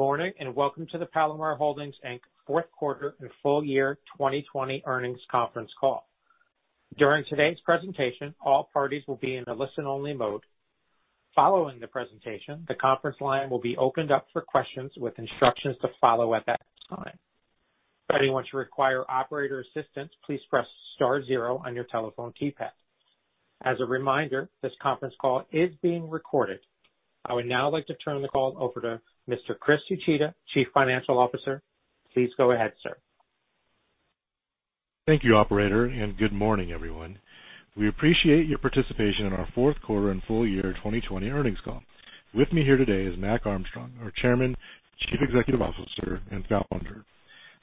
Good morning, welcome to the Palomar Holdings, Inc. fourth quarter and full year 2020 earnings conference call. During today's presentation, all parties will be in a listen-only mode. Following the presentation, the conference line will be opened up for questions with instructions to follow at that time. If at any point you require operator assistance, please press star zero on your telephone keypad. As a reminder, this conference call is being recorded. I would now like to turn the call over to Mr. Chris Uchida, Chief Financial Officer. Please go ahead, sir. Thank you, operator. Good morning, everyone. We appreciate your participation in our fourth quarter and full year 2020 earnings call. With me here today is Mac Armstrong, our Chairman, Chief Executive Officer, and Founder.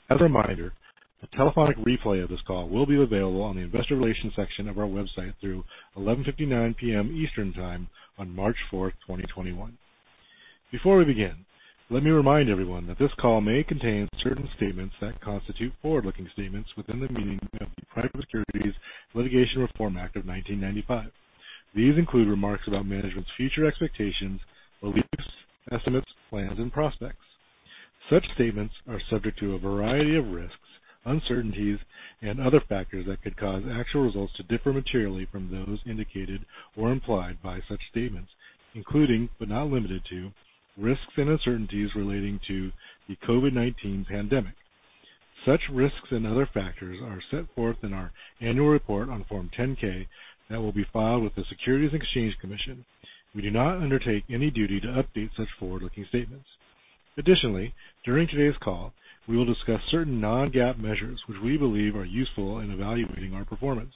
As a reminder, a telephonic replay of this call will be available on the investor relations section of our website through 11:59 P.M. Eastern Time on March fourth, 2021. Before we begin, let me remind everyone that this call may contain certain statements that constitute forward-looking statements within the meaning of the Private Securities Litigation Reform Act of 1995. These include remarks about management's future expectations, beliefs, estimates, plans, and prospects. Such statements are subject to a variety of risks, uncertainties, and other factors that could cause actual results to differ materially from those indicated or implied by such statements, including but not limited to risks and uncertainties relating to the COVID-19 pandemic. Such risks and other factors are set forth in our annual report on Form 10-K that will be filed with the Securities and Exchange Commission. We do not undertake any duty to update such forward-looking statements. Additionally, during today's call, we will discuss certain non-GAAP measures which we believe are useful in evaluating our performance.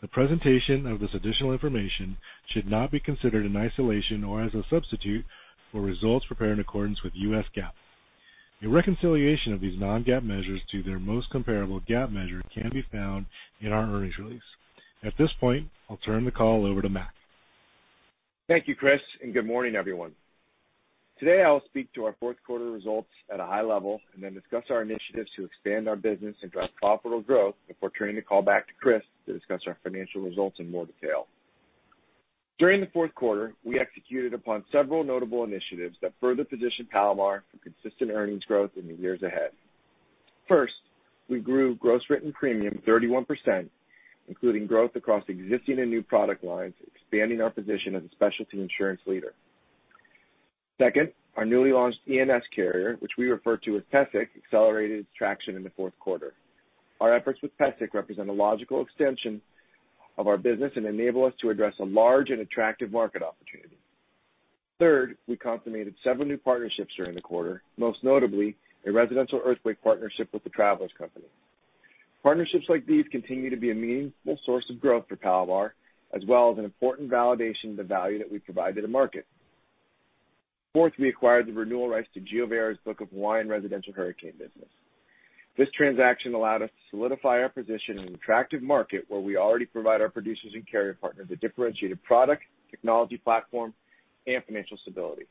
The presentation of this additional information should not be considered in isolation or as a substitute for results prepared in accordance with U.S. GAAP. A reconciliation of these non-GAAP measures to their most comparable GAAP measure can be found in our earnings release. At this point, I'll turn the call over to Mac. Thank you, Chris. Good morning, everyone. Today, I will speak to our fourth quarter results at a high level and then discuss our initiatives to expand our business and drive profitable growth before turning the call back to Chris to discuss our financial results in more detail. During the fourth quarter, we executed upon several notable initiatives that further position Palomar for consistent earnings growth in the years ahead. First, we grew gross written premium 31%, including growth across existing and new product lines, expanding our position as a specialty insurance leader. Second, our newly launched E&S carrier, which we refer to as PESIC, accelerated its traction in the fourth quarter. Our efforts with PESIC represent a logical extension of our business and enable us to address a large and attractive market opportunity. Third, we consummated several new partnerships during the quarter, most notably a residential earthquake partnership with The Travelers Companies, Inc. Partnerships like these continue to be a meaningful source of growth for Palomar, as well as an important validation of the value that we provide to the market. Fourth, we acquired the renewal rights to GeoVera's book of Hawaiian residential hurricane business. This transaction allowed us to solidify our position in an attractive market where we already provide our producers and carrier partners a differentiated product, technology platform, and financial stability.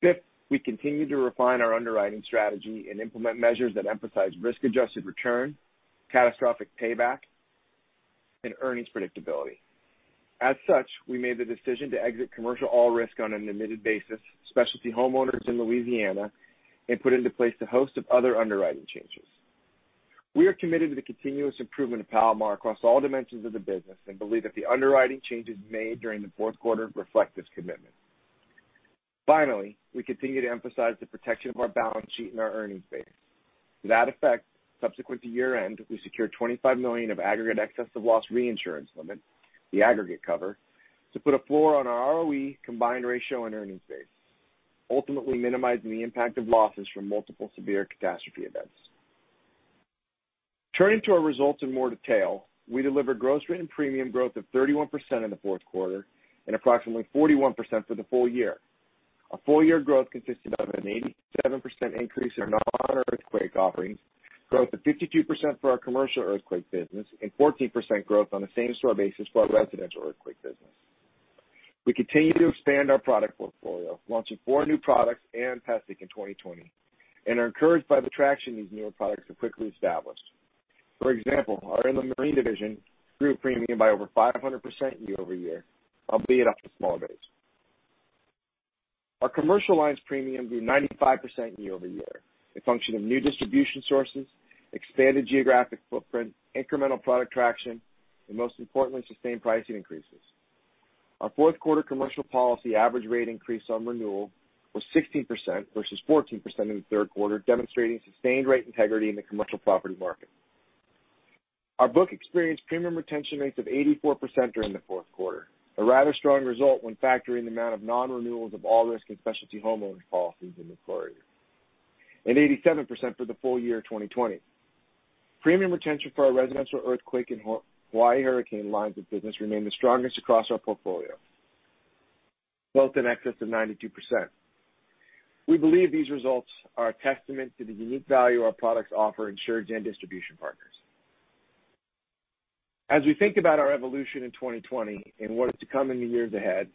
Fifth, we continued to refine our underwriting strategy and implement measures that emphasize risk-adjusted return, catastrophic payback, and earnings predictability. As such, we made the decision to exit commercial all-risk on an admitted basis, specialty homeowners in Louisiana, and put into place a host of other underwriting changes. We are committed to the continuous improvement of Palomar across all dimensions of the business and believe that the underwriting changes made during the fourth quarter reflect this commitment. Finally, we continue to emphasize the protection of our balance sheet and our earnings base. To that effect, subsequent to year-end, we secured $25 million of aggregate excess of loss reinsurance limit, the aggregate cover, to put a floor on our ROE combined ratio and earnings base, ultimately minimizing the impact of losses from multiple severe catastrophe events. Turning to our results in more detail, we delivered gross written premium growth of 31% in the fourth quarter and approximately 41% for the full year. Our full-year growth consisted of an 87% increase in our non-earthquake offerings, growth of 52% for our commercial earthquake business, and 14% growth on a same-store basis for our residential earthquake business. We continue to expand our product portfolio, launching four new products and PESIC in 2020, and are encouraged by the traction these newer products have quickly established. For example, our inland marine division grew premium by over 500% year-over-year, albeit off a small base. Our commercial lines premium grew 95% year-over-year, a function of new distribution sources, expanded geographic footprint, incremental product traction, and most importantly, sustained pricing increases. Our fourth quarter commercial policy average rate increase on renewal was 16% versus 14% in the third quarter, demonstrating sustained rate integrity in the commercial property market. Our book experienced premium retention rates of 84% during the fourth quarter, a rather strong result when factoring the amount of non-renewals of all-risk and specialty homeowners policies in this quarter, and 87% for the full year 2020. Premium retention for our residential earthquake and Hawaii hurricane lines of business remain the strongest across our portfolio, both in excess of 92%. We believe these results are a testament to the unique value our products offer insureds and distribution partners. As we think about our evolution in 2020 and what is to come in the years ahead,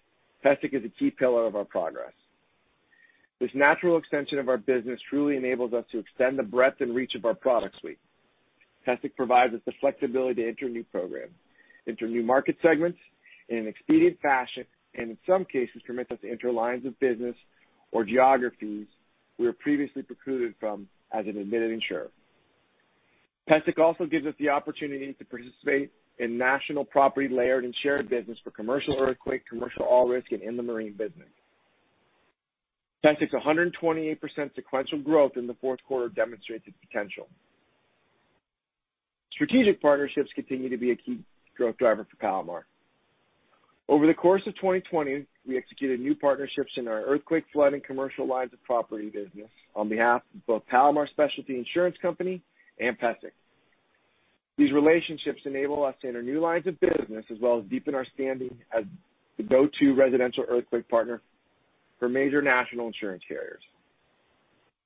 PESIC is a key pillar of our progress. This natural extension of our business truly enables us to extend the breadth and reach of our product suite. PESIC provides us the flexibility to enter new programs, enter new market segments in an expedient fashion, and in some cases, permits us to enter lines of business or geographies we were previously precluded from as an admitted insurer. PESIC also gives us the opportunity to participate in national property layered and shared business for commercial earthquake, commercial all-risk, and inland marine business. PESIC's 128% sequential growth in the fourth quarter demonstrates its potential. Strategic partnerships continue to be a key growth driver for Palomar. Over the course of 2020, we executed new partnerships in our earthquake, flood, and commercial lines of property business on behalf of both Palomar Specialty Insurance Company and PESIC. These relationships enable us to enter new lines of business, as well as deepen our standing as the go-to residential earthquake partner for major national insurance carriers.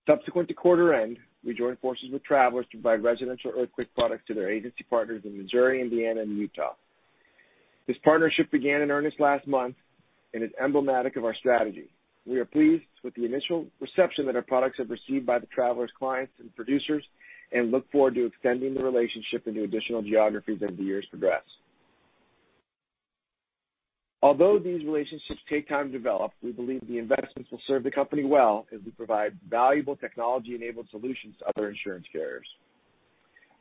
Subsequent to quarter end, we joined forces with Travelers to provide residential earthquake products to their agency partners in Missouri, Indiana, and Utah. This partnership began in earnest last month and is emblematic of our strategy. We are pleased with the initial reception that our products have received by the Travelers clients and producers, and look forward to extending the relationship into additional geographies as the years progress. Although these relationships take time to develop, we believe the investments will serve the company well as we provide valuable technology-enabled solutions to other insurance carriers.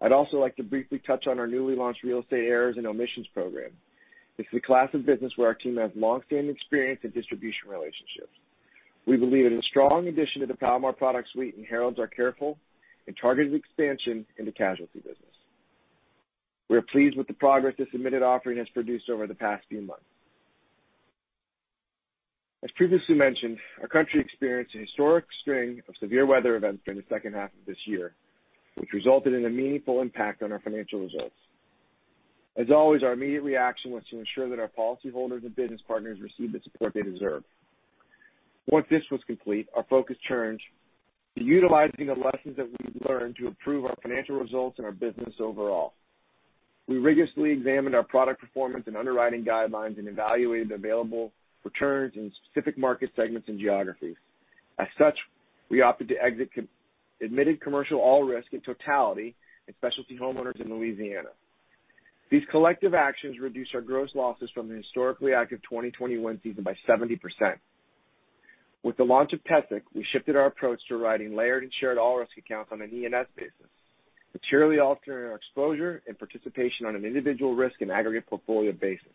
I'd also like to briefly touch on our newly launched real estate errors and omissions program. This is a class of business where our team has longstanding experience and distribution relationships. We believe it is a strong addition to the Palomar product suite and heralds our careful and targeted expansion into casualty business. We are pleased with the progress this admitted offering has produced over the past few months. As previously mentioned, our country experienced a historic string of severe weather events during the second half of this year, which resulted in a meaningful impact on our financial results. As always, our immediate reaction was to ensure that our policyholders and business partners received the support they deserve. Once this was complete, our focus turned to utilizing the lessons that we've learned to improve our financial results and our business overall. We rigorously examined our product performance and underwriting guidelines and evaluated the available returns in specific market segments and geographies. As such, we opted to exit admitted commercial all-risk in totality and specialty homeowners in Louisiana. These collective actions reduced our gross losses from the historically active 2021 season by 70%. With the launch of PESIC, we shifted our approach to writing layered and shared all-risk accounts on an E&S basis, materially altering our exposure and participation on an individual risk and aggregate portfolio basis.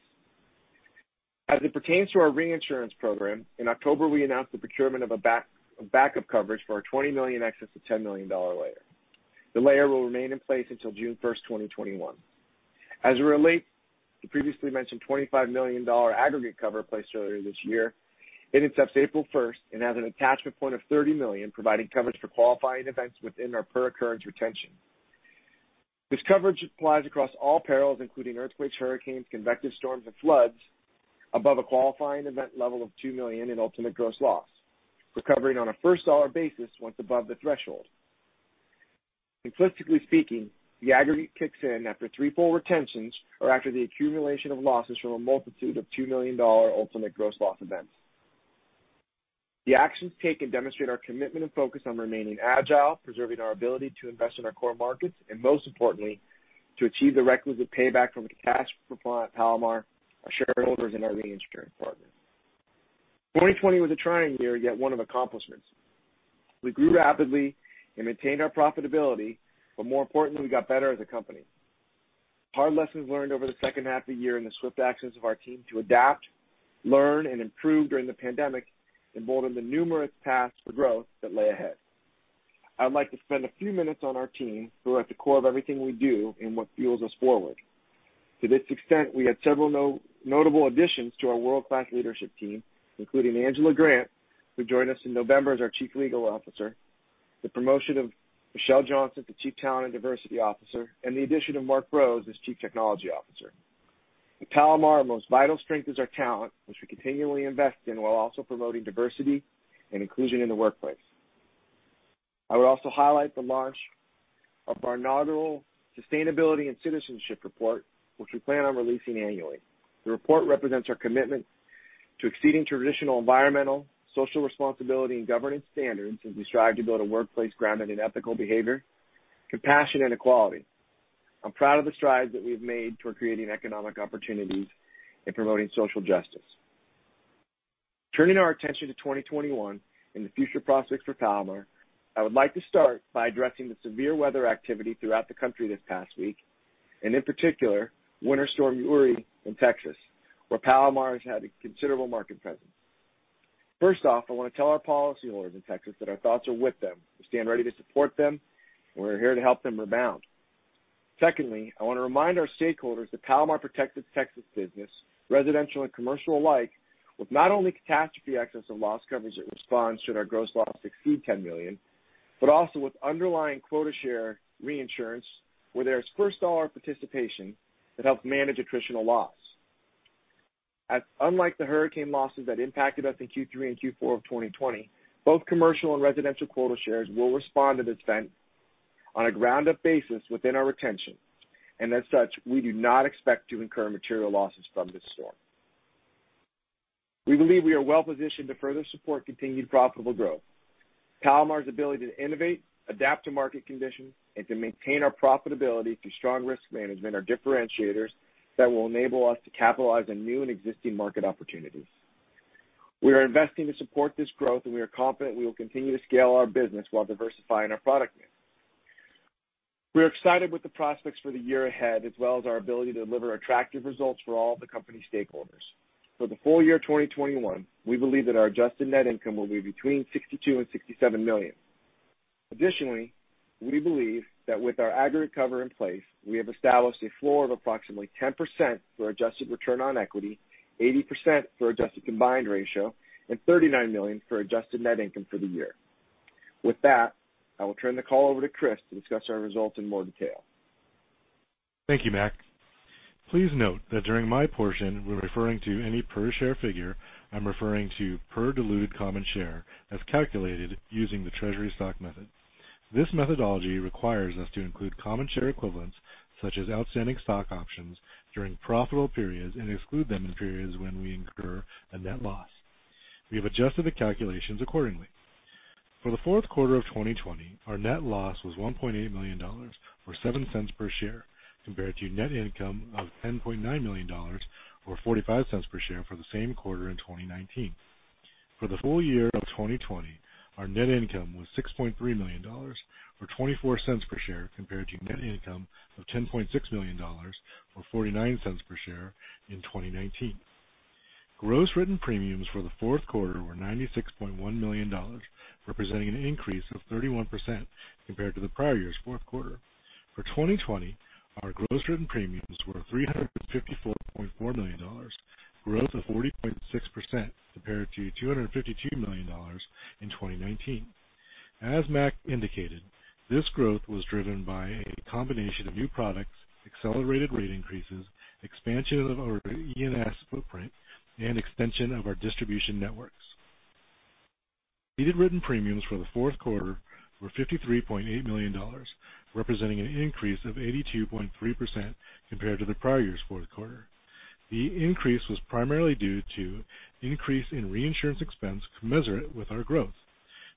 As it pertains to our reinsurance program, in October, we announced the procurement of a backup coverage for our $20 million excess to $10 million layer. The layer will remain in place until June 1st, 2021. As it relates to previously mentioned $25 million aggregate cover placed earlier this year, it ends up April first and has an attachment point of $30 million, providing coverage for qualifying events within our per-occurrence retention. This coverage applies across all perils, including earthquakes, hurricanes, convective storms, and floods above a qualifying event level of $2 million in ultimate gross loss, recovering on a first-dollar basis once above the threshold. Simplistically speaking, the aggregate kicks in after three full retentions or after the accumulation of losses from a multitude of $2 million ultimate gross loss events. The actions taken demonstrate our commitment and focus on remaining agile, preserving our ability to invest in our core markets, and most importantly, to achieve the requisite payback from a catastrophe fund at Palomar, our shareholders, and our reinsurance partners. 2020 was a trying year, yet one of accomplishments. We grew rapidly and maintained our profitability. More importantly, we got better as a company. Hard lessons learned over the second half of the year and the swift actions of our team to adapt, learn, and improve during the pandemic embolden the numerous paths for growth that lay ahead. I'd like to spend a few minutes on our team who are at the core of everything we do and what fuels us forward. To this extent, we had several notable additions to our world-class leadership team, including Angela Grant, who joined us in November as our Chief Legal Officer, the promotion of Michelle Johnson to Chief Talent and Diversity Officer, and the addition of Mark Rose as Chief Technology Officer. At Palomar, our most vital strength is our talent, which we continually invest in while also promoting diversity and inclusion in the workplace. I would also highlight the launch of our inaugural sustainability and citizenship report, which we plan on releasing annually. The report represents our commitment to exceeding traditional environmental, social responsibility, and governance standards as we strive to build a workplace grounded in ethical behavior, compassion, and equality. I'm proud of the strides that we've made toward creating economic opportunities and promoting social justice. Turning our attention to 2021 and the future prospects for Palomar, I would like to start by addressing the severe weather activity throughout the country this past week, and in particular, winter storm Uri in Texas, where Palomar has had a considerable market presence. First off, I want to tell our policyholders in Texas that our thoughts are with them. We stand ready to support them. We're here to help them rebound. Secondly, I want to remind our stakeholders that Palomar protects its Texas business, residential and commercial alike, with not only catastrophe excess of loss coverage that responds should our gross loss exceed $10 million, but also with underlying quota share reinsurance where there is first-dollar participation that helps manage attritional loss. Unlike the hurricane losses that impacted us in Q3 and Q4 of 2020, both commercial and residential quota shares will respond to this event on a ground-up basis within our retention, and as such, we do not expect to incur material losses from this storm. We believe we are well positioned to further support continued profitable growth. Palomar's ability to innovate, adapt to market conditions, and to maintain our profitability through strong risk management are differentiators that will enable us to capitalize on new and existing market opportunities. We are investing to support this growth. We are confident we will continue to scale our business while diversifying our product mix. We are excited with the prospects for the year ahead, as well as our ability to deliver attractive results for all of the company stakeholders. For the full year 2021, we believe that our adjusted net income will be between $62 million and $67 million. Additionally, we believe that with our aggregate cover in place, we have established a floor of approximately 10% for adjusted return on equity, 80% for adjusted combined ratio, and $39 million for adjusted net income for the year. With that, I will turn the call over to Chris to discuss our results in more detail. Thank you, Mac. Please note that during my portion, when referring to any per share figure, I'm referring to per diluted common share as calculated using the treasury stock method. This methodology requires us to include common share equivalents, such as outstanding stock options, during profitable periods and exclude them in periods when we incur a net loss. We have adjusted the calculations accordingly. For the fourth quarter of 2020, our net loss was $1.8 million, or $0.07 per share, compared to net income of $10.9 million or $0.45 per share for the same quarter in 2019. For the full year of 2020, our net income was $6.3 million, or $0.24 per share, compared to net income of $10.6 million or $0.49 per share in 2019. Gross written premiums for the fourth quarter were $96.1 million, representing an increase of 31% compared to the prior year's fourth quarter. For 2020, our gross written premiums were $354.4 million, growth of 40.6% compared to $252 million in 2019. As Mac indicated, this growth was driven by a combination of new products, accelerated rate increases, expansion of our E&S footprint, and extension of our distribution networks. Ceded written premiums for the fourth quarter were $53.8 million, representing an increase of 82.3% compared to the prior year's fourth quarter. The increase was primarily due to increase in reinsurance expense commensurate with our growth.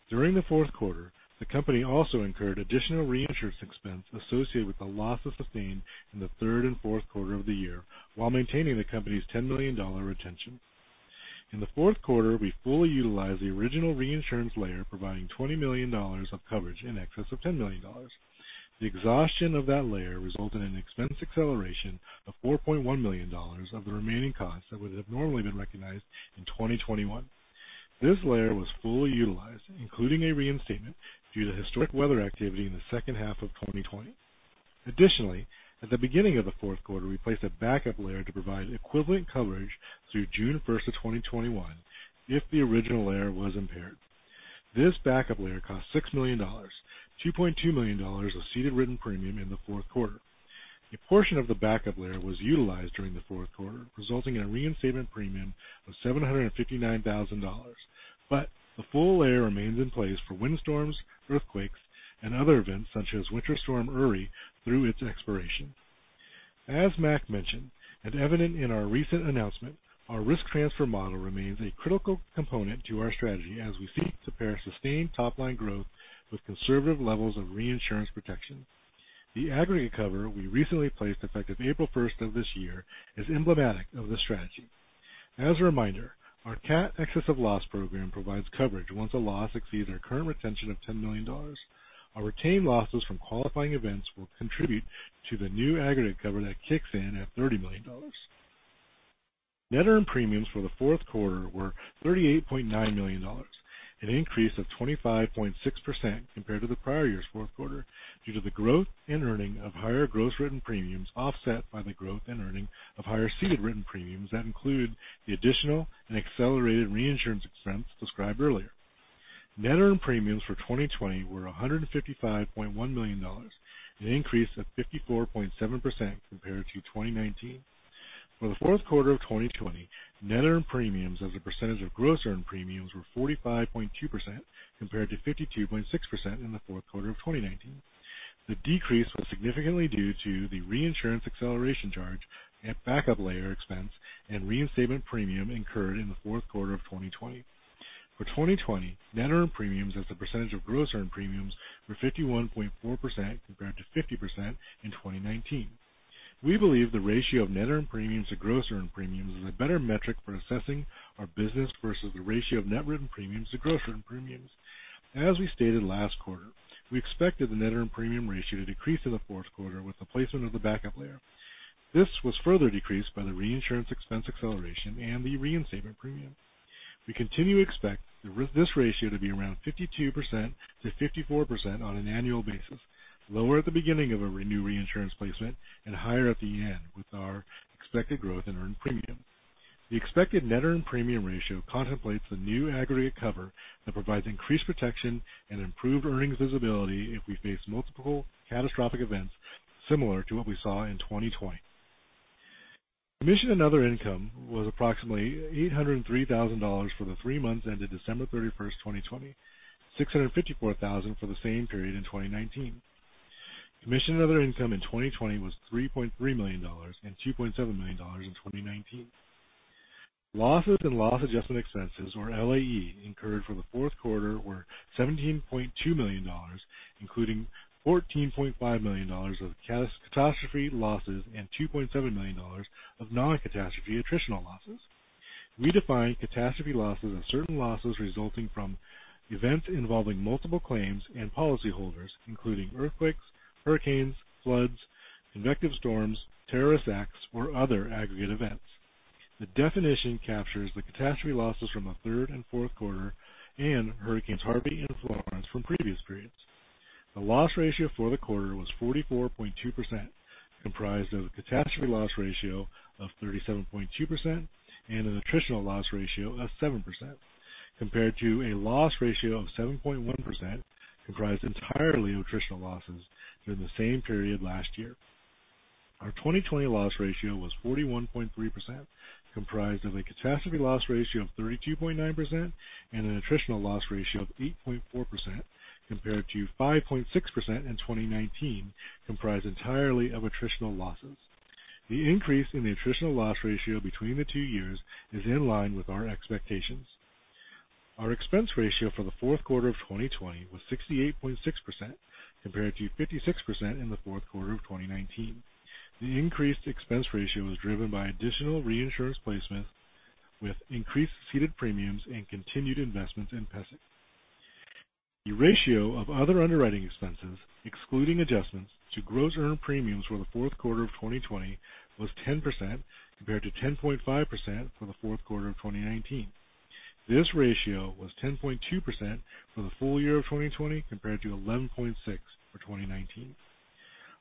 During the fourth quarter, the company also incurred additional reinsurance expense associated with the losses sustained in the third and fourth quarter of the year while maintaining the company's $10 million retention. In the fourth quarter, we fully utilized the original reinsurance layer, providing $20 million of coverage in excess of $10 million. The exhaustion of that layer resulted in an expense acceleration of $4.1 million of the remaining costs that would have normally been recognized in 2021. This layer was fully utilized, including a reinstatement due to historic weather activity in the second half of 2020. Additionally, at the beginning of the fourth quarter, we placed a backup layer to provide equivalent coverage through June 1st of 2021 if the original layer was impaired. This backup layer cost $6 million, $2.2 million of ceded written premium in the fourth quarter. A portion of the backup layer was utilized during the fourth quarter, resulting in a reinstatement premium of $759,000. The full layer remains in place for windstorms, earthquakes, and other events such as Winter Storm Uri through its expiration. As Mac mentioned, evident in our recent announcement, our risk transfer model remains a critical component to our strategy as we seek to pair sustained top-line growth with conservative levels of reinsurance protection. The aggregate cover we recently placed effective April 1st of this year is emblematic of this strategy. As a reminder, our CAT excess of loss program provides coverage once a loss exceeds our current retention of $10 million. Our retained losses from qualifying events will contribute to the new aggregate cover that kicks in at $30 million. Net earned premiums for the fourth quarter were $38.9 million, an increase of 25.6% compared to the prior year's fourth quarter due to the growth and earning of higher gross written premiums, offset by the growth and earning of higher ceded written premiums that include the additional and accelerated reinsurance expense described earlier. Net earned premiums for 2020 were $155.1 million, an increase of 54.7% compared to 2019. For the fourth quarter of 2020, net earned premiums as a percentage of gross earned premiums were 45.2%, compared to 52.6% in the fourth quarter of 2019. The decrease was significantly due to the reinsurance acceleration charge and backup layer expense and reinstatement premium incurred in the fourth quarter of 2020. For 2020, net earned premiums as a percentage of gross earned premiums were 51.4%, compared to 50% in 2019. We believe the ratio of net earned premiums to gross earned premiums is a better metric for assessing our business versus the ratio of net written premiums to gross written premiums. As we stated last quarter, we expected the net earned premium ratio to decrease in the fourth quarter with the placement of the backup layer. This was further decreased by the reinsurance expense acceleration and the reinstatement premium. We continue to expect this ratio to be around 52%-54% on an annual basis, lower at the beginning of a new reinsurance placement and higher at the end with our expected growth in earned premium. The expected net earned premium ratio contemplates the new aggregate cover that provides increased protection and improved earnings visibility if we face multiple catastrophic events similar to what we saw in 2020. Commission and other income was approximately $803,000 for the three months ended December 31, 2020, $654,000 for the same period in 2019. Commission and other income in 2020 was $3.3 million and $2.7 million in 2019. Losses and loss adjustment expenses, or LAE, incurred for the fourth quarter were $17.2 million, including $14.5 million of catastrophe losses and $2.7 million of non-catastrophe attritional losses. We define catastrophe losses as certain losses resulting from events involving multiple claims and policyholders, including earthquakes, hurricanes, floods, convective storms, terrorist acts, or other aggregate events. The definition captures the catastrophe losses from the third and fourth quarter and hurricanes Harvey and Florence from previous periods. The loss ratio for the quarter was 44.2%, comprised of a catastrophe loss ratio of 37.2% and an attritional loss ratio of 7%, compared to a loss ratio of 7.1%, comprised entirely of attritional losses during the same period last year. Our 2020 loss ratio was 41.3%, comprised of a catastrophe loss ratio of 32.9% and an attritional loss ratio of 8.4%, compared to 5.6% in 2019, comprised entirely of attritional losses. The increase in the attritional loss ratio between the two years is in line with our expectations. Our expense ratio for the fourth quarter of 2020 was 68.6%, compared to 56% in the fourth quarter of 2019. The increased expense ratio was driven by additional reinsurance placements with increased ceded premiums and continued investments in PESIC. The ratio of other underwriting expenses, excluding adjustments to gross earned premiums for the fourth quarter of 2020, was 10%, compared to 10.5% for the fourth quarter of 2019. This ratio was 10.2% for the full year of 2020, compared to 11.6% for 2019.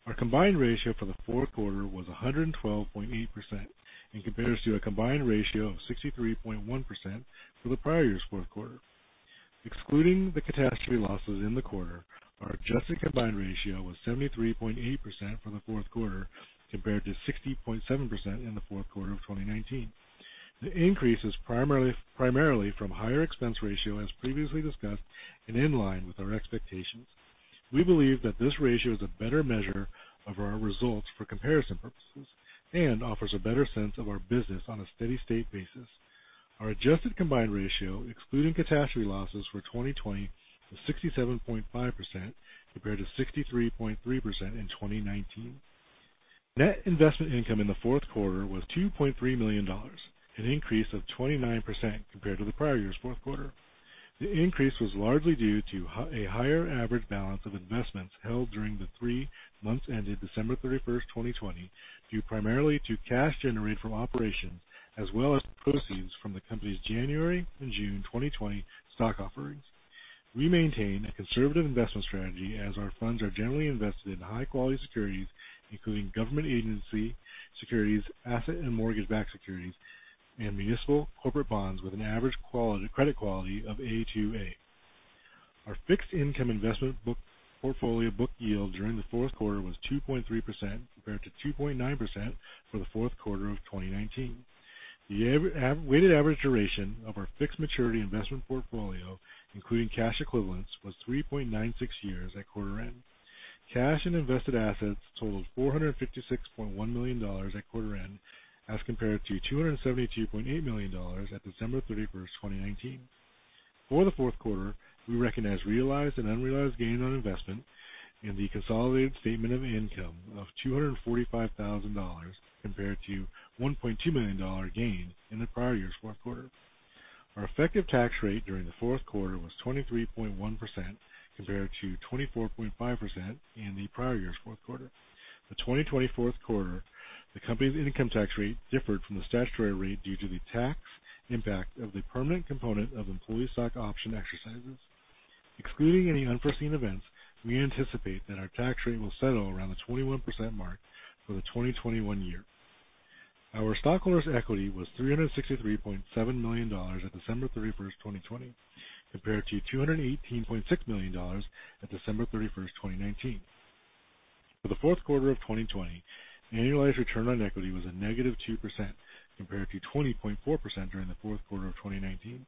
Our combined ratio for the fourth quarter was 112.8% and compares to a combined ratio of 63.1% for the prior year's fourth quarter. Excluding the catastrophe losses in the quarter, our adjusted combined ratio was 73.8% for the fourth quarter compared to 60.7% in the fourth quarter of 2019. The increase is primarily from higher expense ratio, as previously discussed, and in line with our expectations. We believe that this ratio is a better measure of our results for comparison purposes and offers a better sense of our business on a steady-state basis. Our adjusted combined ratio, excluding catastrophe losses for 2020, was 67.5%, compared to 63.3% in 2019. Net investment income in the fourth quarter was $2.3 million, an increase of 29% compared to the prior year's fourth quarter. The increase was largely due to a higher average balance of investments held during the three months ended December 31st, 2020, due primarily to cash generated from operations as well as proceeds from the company's January and June 2020 stock offerings. We maintain a conservative investment strategy as our funds are generally invested in high-quality securities, including government agency securities, asset and mortgage-backed securities, and municipal corporate bonds with an average credit quality of A2/A. Our fixed income investment portfolio book yield during the fourth quarter was 2.3%, compared to 2.9% for the fourth quarter of 2019. The weighted average duration of our fixed maturity investment portfolio, including cash equivalents, was 3.96 years at quarter end. Cash and invested assets totaled $456.1 million at quarter end as compared to $272.8 million at December 31st, 2019. For the fourth quarter, we recognized realized and unrealized gains on investment in the consolidated statement of income of $245,000 compared to a $1.2 million gain in the prior year's fourth quarter. Our effective tax rate during the fourth quarter was 23.1% compared to 24.5% in the prior year's fourth quarter. The 2020 fourth quarter, the company's income tax rate differed from the statutory rate due to the tax impact of the permanent component of employee stock option exercises. Excluding any unforeseen events, we anticipate that our tax rate will settle around the 21% mark for the 2021 year. Our stockholders' equity was $363.7 million at December 31st, 2020, compared to $218.6 million at December 31st, 2019. For the fourth quarter of 2020, annualized return on equity was a negative 2% compared to 20.4% during the fourth quarter of 2019.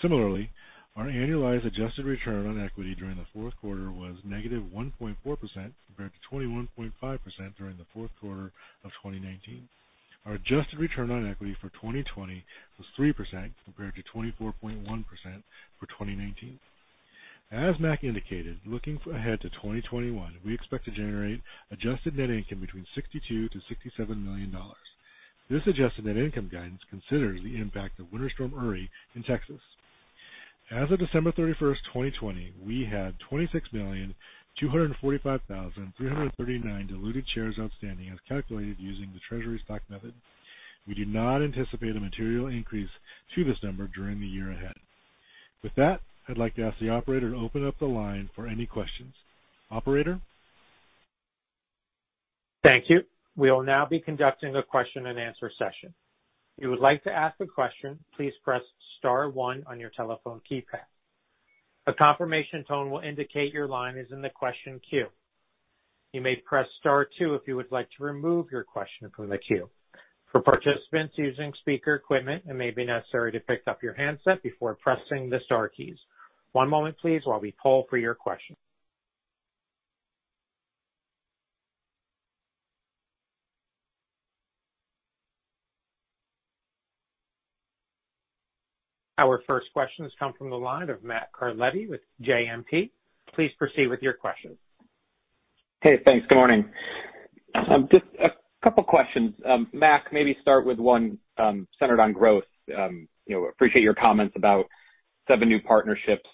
Similarly, our annualized adjusted return on equity during the fourth quarter was negative 1.4% compared to 21.5% during the fourth quarter of 2019. Our adjusted return on equity for 2020 was 3% compared to 24.1% for 2019. As Mac indicated, looking ahead to 2021, we expect to generate adjusted net income between $62 to $67 million. This adjusted net income guidance considers the impact of Winter Storm Uri in Texas. As of December 31st, 2020, we had 26,245,339 diluted shares outstanding as calculated using the treasury stock method. We do not anticipate a material increase to this number during the year ahead. With that, I'd like to ask the operator to open up the line for any questions. Operator? Thank you. We will now be conducting a question and answer session. If you would like to ask a question, please press *1 on your telephone keypad. A confirmation tone will indicate your line is in the question queue. You may press *2 if you would like to remove your question from the queue. For participants using speaker equipment, it may be necessary to pick up your handset before pressing the star keys. One moment please, while we poll for your question. Our first question has come from the line of Matt Carletti with JMP. Please proceed with your question. Hey, thanks. Good morning. Just a couple questions. Mac, maybe start with one centered on growth. Appreciate your comments about seven new partnerships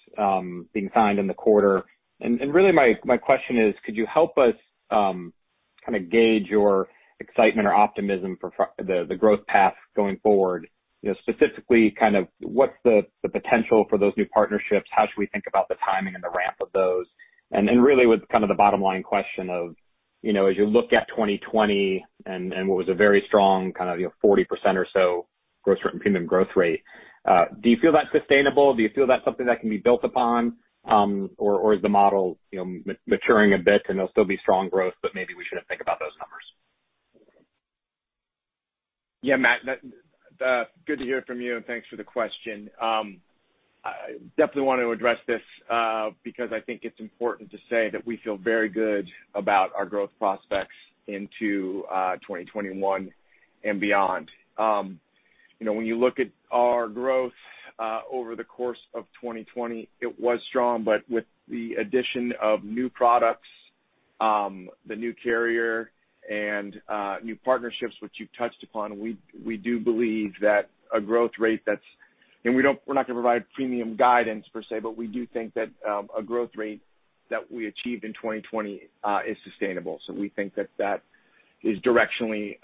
being signed in the quarter. Really my question is, could you help us kind of gauge your excitement or optimism for the growth path going forward? Specifically, what's the potential for those new partnerships? How should we think about the timing and the ramp of those? Really with kind of the bottom line question of, as you look at 2020 and what was a very strong 40% or so growth rate and premium growth rate, do you feel that's sustainable? Do you feel that's something that can be built upon? Is the model maturing a bit and there'll still be strong growth, but maybe we shouldn't think about those numbers? Yeah, Matt, good to hear from you, and thanks for the question. Definitely want to address this, because I think it's important to say that we feel very good about our growth prospects into 2021 and beyond. When you look at our growth over the course of 2020, it was strong, with the addition of new products, the new carrier, and new partnerships which you've touched upon, we do believe that a growth rate that we're not going to provide premium guidance per se, we do think that a growth rate that we achieved in 2020 is sustainable. We think that that is directionally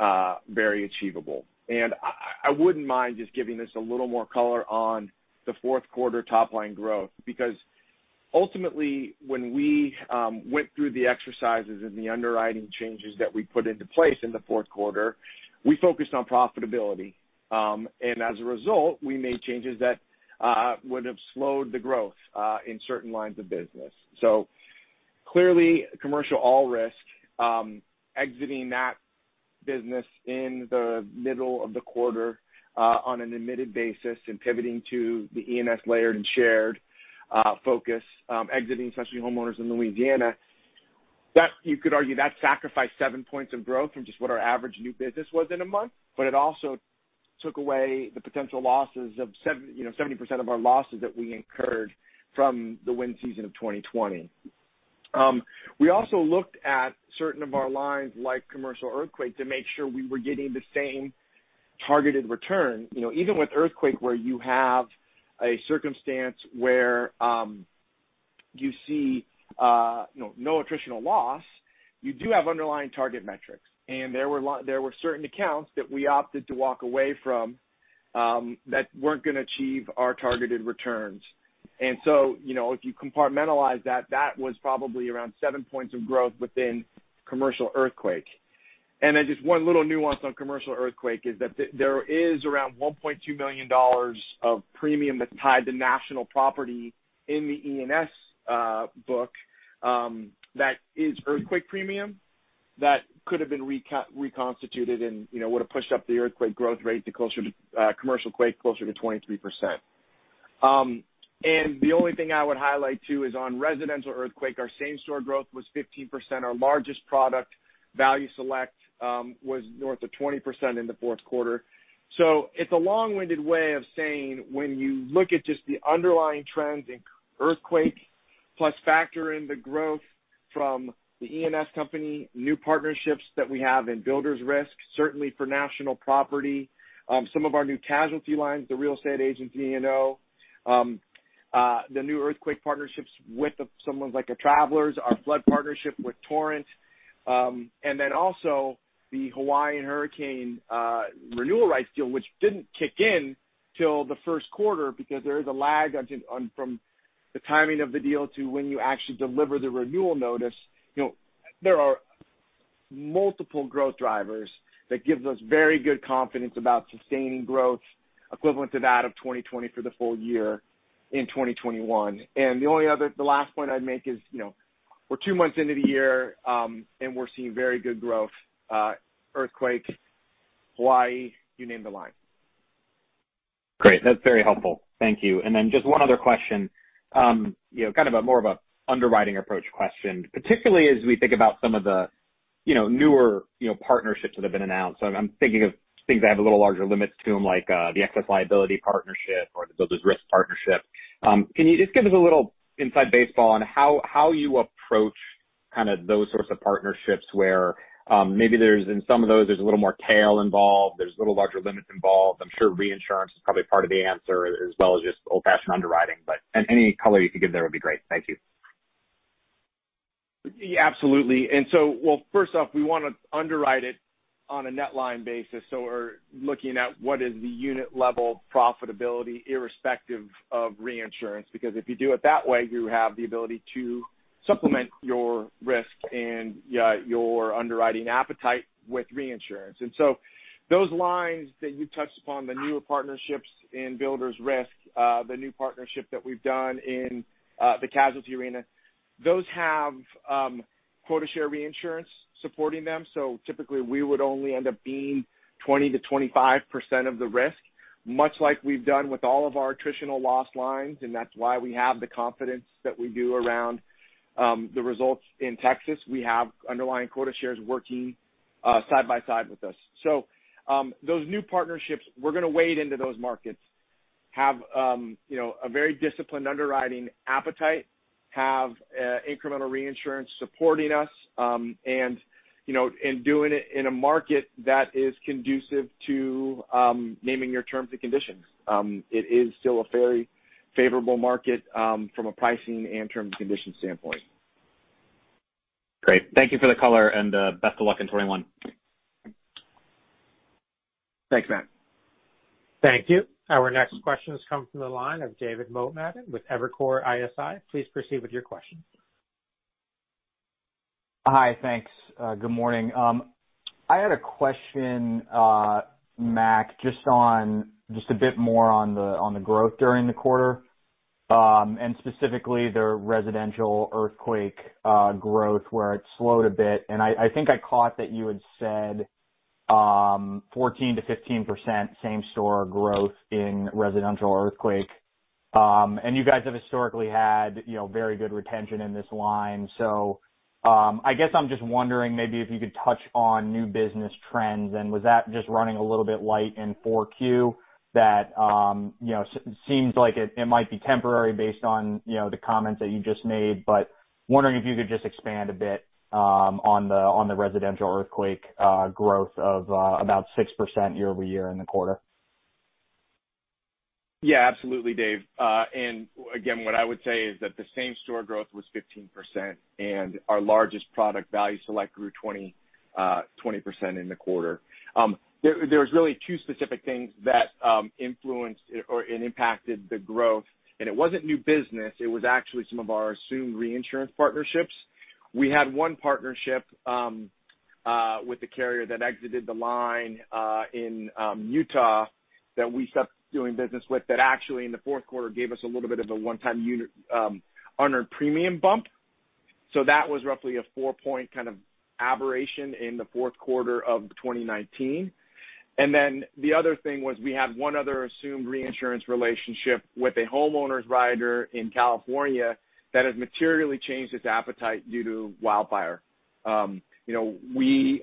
very achievable. I wouldn't mind just giving this a little more color on the fourth quarter top-line growth, because ultimately, when we went through the exercises and the underwriting changes that we put into place in the fourth quarter, we focused on profitability. As a result, we made changes that would've slowed the growth in certain lines of business. Clearly, commercial all-risk, exiting that business in the middle of the quarter on an admitted basis and pivoting to the E&S layered and shared focus, exiting Specialty Homeowners in Louisiana, you could argue that sacrificed seven points of growth from just what our average new business was in a month, it also took away the potential losses of 70% of our losses that we incurred from the wind season of 2020. We also looked at certain of our lines, like commercial earthquake, to make sure we were getting the same targeted return. Even with earthquake, where you have a circumstance where you see no attritional loss, you do have underlying target metrics. There were certain accounts that we opted to walk away from that weren't going to achieve our targeted returns. If you compartmentalize that was probably around seven points of growth within commercial earthquake. Then just one little nuance on commercial earthquake is that there is around $1.2 million of premium that's tied to national property in the E&S book that is earthquake premium that could've been reconstituted and would've pushed up the earthquake growth rate to closer to commercial quake closer to 23%. The only thing I would highlight, too, is on residential earthquake, our same-store growth was 15%. Our largest product, Value Select, was north of 20% in the fourth quarter. It's a long-winded way of saying, when you look at just the underlying trends in earthquake, plus factor in the growth from the E&S company, new partnerships that we have in builders risk, certainly for national property, some of our new casualty lines, the real estate agents E&O, the new earthquake partnerships with someone like a Travelers, our flood partnership with Torrent, also the Hawaiian hurricane renewal rights deal, which didn't kick in till the first quarter because there is a lag from the timing of the deal to when you actually deliver the renewal notice. There are multiple growth drivers that gives us very good confidence about sustaining growth equivalent to that of 2020 for the full year in 2021. The only other, the last point I'd make is, we're two months into the year, and we're seeing very good growth, earthquake, Hawaii, you name the line. Great. That's very helpful. Thank you. Just one other question. Kind of more of a underwriting approach question, particularly as we think about some of the newer partnerships that have been announced. I'm thinking of things that have a little larger limits to them, like the excess liability partnership or the builders risk partnership. Can you just give us a little inside baseball on how you approach those sorts of partnerships where maybe there's, in some of those, there's a little more tail involved, there's a little larger limits involved. I'm sure reinsurance is probably part of the answer, as well as just old-fashioned underwriting. Any color you could give there would be great. Thank you. Yeah, absolutely. Well, first off, we want to underwrite it on a net line basis. We're looking at what is the unit level profitability irrespective of reinsurance, because if you do it that way, you have the ability to supplement your risk and your underwriting appetite with reinsurance. Those lines that you touched upon, the newer partnerships in builders risk, the new partnership that we've done in the casualty arena, those have quota share reinsurance supporting them. Typically, we would only end up being 20%-25% of the risk, much like we've done with all of our attritional loss lines, and that's why we have the confidence that we do around the results in Texas. We have underlying quota shares working side by side with us. Those new partnerships, we're going to wade into those markets, have a very disciplined underwriting appetite, have incremental reinsurance supporting us, and doing it in a market that is conducive to naming your terms and conditions. It is still a very favorable market from a pricing and terms and conditions standpoint. Great. Thank you for the color and best of luck in 2021. Thanks, Matt. Thank you. Our next question comes from the line of David Motemaden with Evercore ISI. Please proceed with your question. Hi. Thanks. Good morning. I had a question, Mac, just a bit more on the growth during the quarter, and specifically the residential earthquake growth, where it slowed a bit. I think I caught that you had said 14%-15% same-store growth in residential earthquake. You guys have historically had very good retention in this line. I guess I'm just wondering maybe if you could touch on new business trends, and was that just running a little bit light in 4Q that seems like it might be temporary based on the comments that you just made, but wondering if you could just expand a bit on the residential earthquake growth of about 6% year-over-year in the quarter. Yeah, absolutely, Dave. Again, what I would say is that the same-store growth was 15%, Our largest product, Value Select, grew 20% in the quarter. There's really two specific things that influenced or impacted the growth, it wasn't new business, it was actually some of our assumed reinsurance partnerships. We had one partnership with a carrier that exited the line in Utah that we stopped doing business with that actually in the fourth quarter gave us a little bit of a one-time unit unearned premium bump. That was roughly a four-point kind of aberration in the fourth quarter of 2019. The other thing was we had one other assumed reinsurance relationship with a homeowners rider in California that has materially changed its appetite due to wildfire. We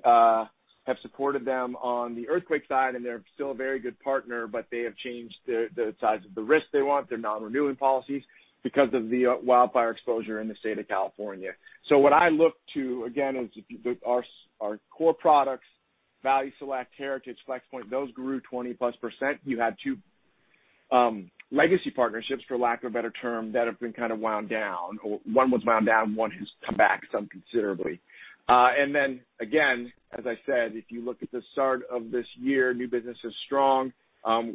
have supported them on the earthquake side, they're still a very good partner, but they have changed the size of the risk they want. They're non-renewing policies because of the wildfire exposure in the state of California. What I look to again is our core products, Value Select, Heritage, Flexpoint, those grew 20-plus%. You had two legacy partnerships, for lack of a better term, that have been kind of wound down. One was wound down, one has come back some considerably. Again, as I said, if you look at the start of this year, new business is strong.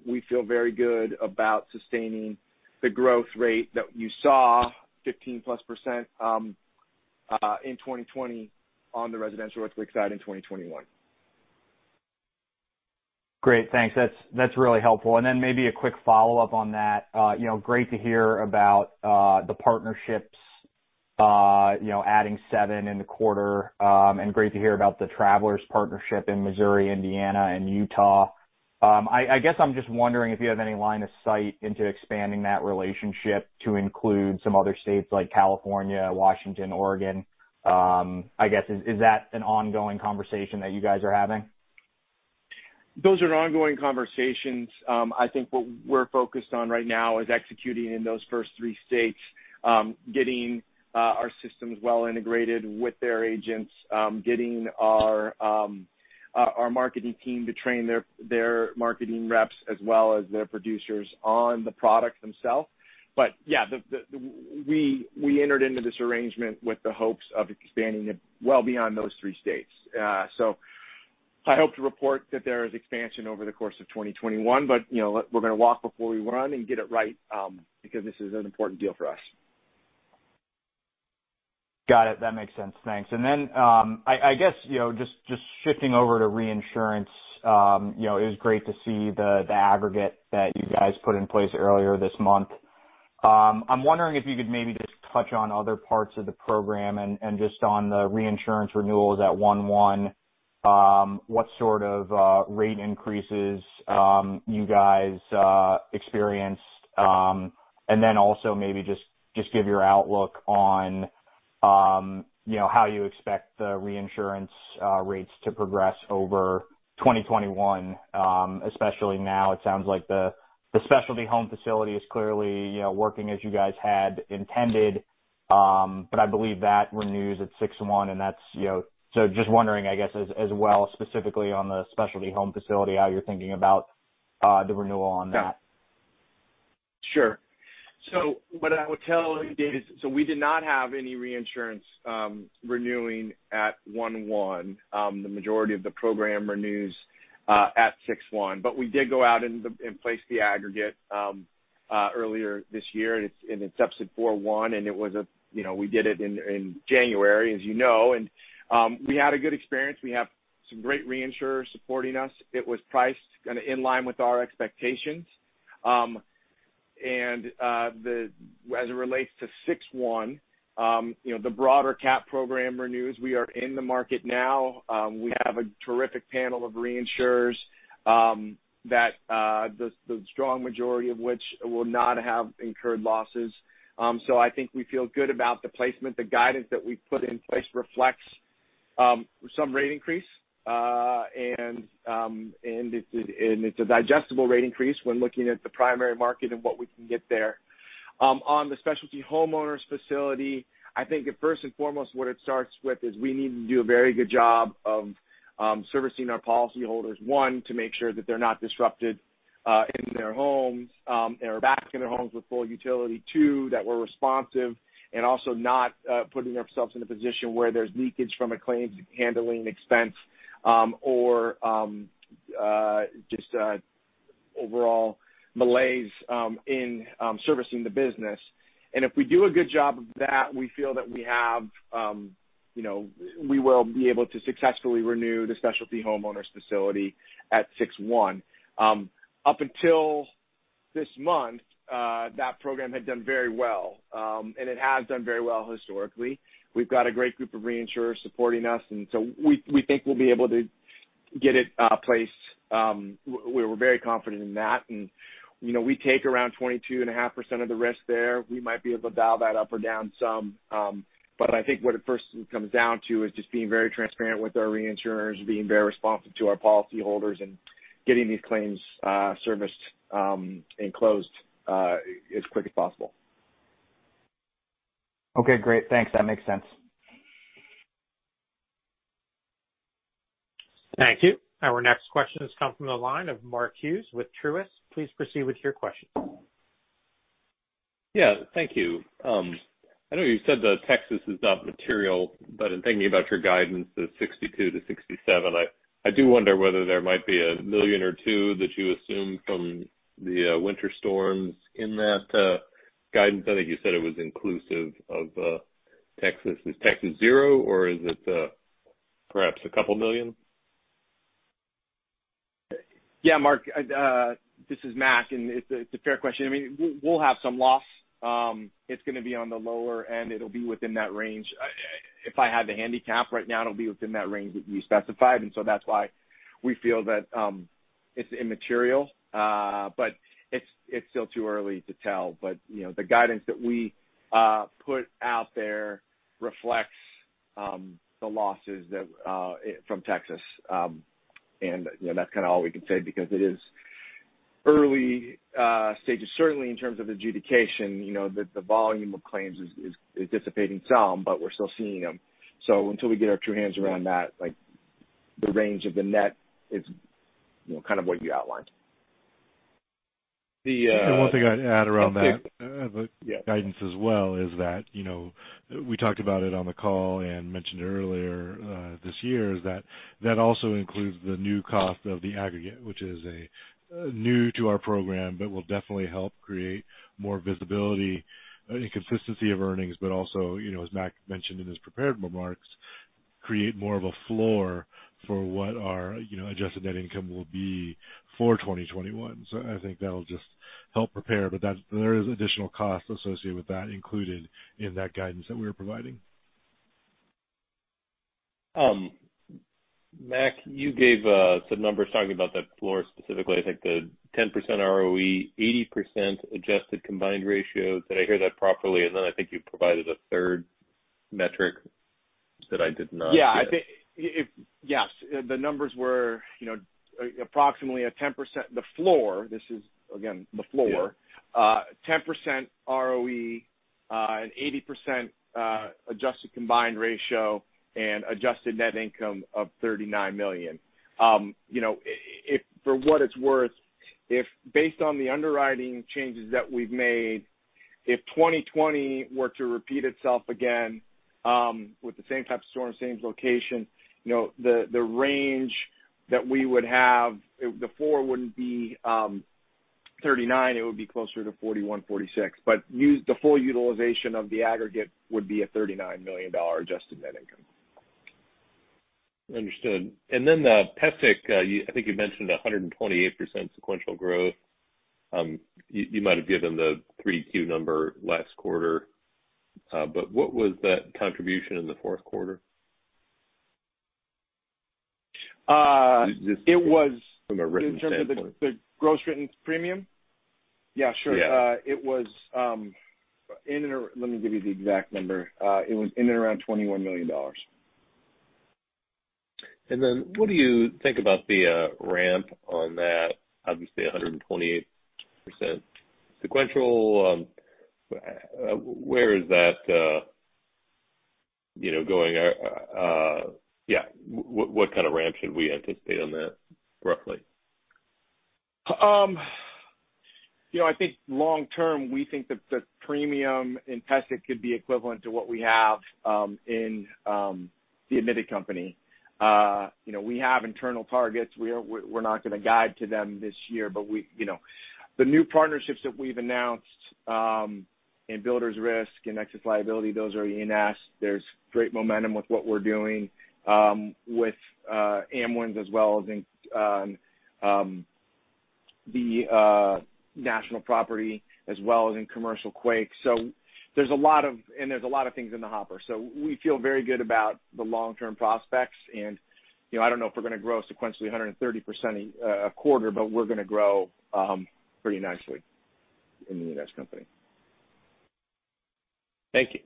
We feel very good about sustaining the growth rate that you saw, 15-plus% in 2020 on the residential earthquake side in 2021. Great. Thanks. That's really helpful. Maybe a quick follow-up on that. Great to hear about the partnerships, adding seven in the quarter, and great to hear about the Travelers partnership in Missouri, Indiana, and Utah. I guess I'm just wondering if you have any line of sight into expanding that relationship to include some other states like California, Washington, Oregon. I guess, is that an ongoing conversation that you guys are having? Those are ongoing conversations. I think what we're focused on right now is executing in those first three states, getting our systems well integrated with their agents, getting our marketing team to train their marketing reps as well as their producers on the product themselves. Yeah, we entered into this arrangement with the hopes of expanding it well beyond those three states. I hope to report that there is expansion over the course of 2021, we're going to walk before we run and get it right, because this is an important deal for us. Got it. That makes sense. Thanks. I guess, just shifting over to reinsurance, it was great to see the aggregate that you guys put in place earlier this month. I'm wondering if you could maybe just touch on other parts of the program and just on the reinsurance renewals at one-one, what sort of rate increases you guys experienced, and then also maybe just give your outlook on how you expect the reinsurance rates to progress over 2021, especially now it sounds like the specialty home facility is clearly working as you guys had intended. I believe that renews at six one. Just wondering, I guess, as well, specifically on the specialty home facility, how you're thinking about the renewal on that. Sure. What I would tell you, Dave, is we did not have any reinsurance renewing at one-one. The majority of the program renews at six-one. We did go out and place the aggregate earlier this year, and it's up to four-one, and we did it in January, as you know. We had a good experience. We have some great reinsurers supporting us. It was priced in line with our expectations. As it relates to six one, the broader CAT program renews. We are in the market now. We have a terrific panel of reinsurers that the strong majority of which will not have incurred losses. I think we feel good about the placement. The guidance that we've put in place reflects some rate increase, it's a digestible rate increase when looking at the primary market and what we can get there. On the specialty homeowners facility, I think first and foremost, what it starts with is we need to do a very good job of servicing our policyholders. One, to make sure that they're not disrupted in their homes, they are back in their homes with full utility. Two, that we're responsive and also not putting ourselves in a position where there's leakage from a claims handling expense, or just overall malaise in servicing the business. If we do a good job of that, we feel that we will be able to successfully renew the specialty homeowners facility at six one. Up until this month, that program had done very well, and it has done very well historically. We've got a great group of reinsurers supporting us. We think we'll be able to get it placed. We're very confident in that. We take around 22.5% of the risk there. We might be able to dial that up or down some. I think what it first comes down to is just being very transparent with our reinsurers, being very responsive to our policyholders, and getting these claims serviced and closed as quick as possible. Okay, great. Thanks. That makes sense. Thank you. Our next question has come from the line of Mark Hughes with Truist. Please proceed with your question. Thank you. I know you said that Texas is not material, but in thinking about your guidance, the $62-$67, I do wonder whether there might be a million or two that you assumed from the winter storms in that guidance. I think you said it was inclusive of Texas. Is Texas zero, or is it perhaps a couple of million? Mark, this is Mac, and it's a fair question. I mean, we'll have some loss. It's going to be on the lower end. It'll be within that range. If I had to handicap right now, it'll be within that range that you specified, That's why we feel that it's immaterial. It's still too early to tell. The guidance that we put out there reflects the losses from Texas. That's all we can say because it is early stages, certainly in terms of adjudication. The volume of claims is dissipating some, but we're still seeing them. Until we get our true hands around that, the range of the net is kind of what you outlined. The one thing I'd add around that guidance as well is that, we talked about it on the call and mentioned earlier this year, is that also includes the new cost of the aggregate, which is new to our program but will definitely help create more visibility and consistency of earnings. Also, as Mac mentioned in his prepared remarks, create more of a floor for what our adjusted net income will be for 2021. I think that'll just help prepare, but there is additional cost associated with that included in that guidance that we are providing. Mac, you gave some numbers talking about that floor specifically. I think the 10% ROE, 80% adjusted combined ratio. Did I hear that properly? I think you provided a third metric that I did not get. Yeah. Yes. The numbers were approximately a 10% the floor. This is, again, the floor. Yeah. 10% ROE, an 80% adjusted combined ratio and adjusted net income of $39 million. For what it's worth, based on the underwriting changes that we've made, if 2020 were to repeat itself again with the same type of storm, same location, the range that we would have, the floor wouldn't be $39, it would be closer to $41, $46. The full utilization of the aggregate would be a $39 million adjusted net income. Understood. Then PESIC, I think you mentioned 128% sequential growth. You might have given the 3Q number last quarter. What was that contribution in the fourth quarter? It was- From a written standpoint in terms of the gross written premium? Yeah, sure. Yeah. Let me give you the exact number. It was in and around $21 million. What do you think about the ramp on that? Obviously, 128% sequential. Where is that going? Yeah. What kind of ramp should we anticipate on that, roughly? I think long-term, we think that the premium in PESIC could be equivalent to what we have in the admitted company. We have internal targets. We're not going to guide to them this year. The new partnerships that we've announced In builders risk, in excess liability, those are E&S. There's great momentum with what we're doing with Amwins as well as in the national property as well as in commercial quake. There's a lot of things in the hopper. We feel very good about the long-term prospects. I don't know if we're going to grow sequentially 130% a quarter, but we're going to grow pretty nicely in the E&S company. Thank you.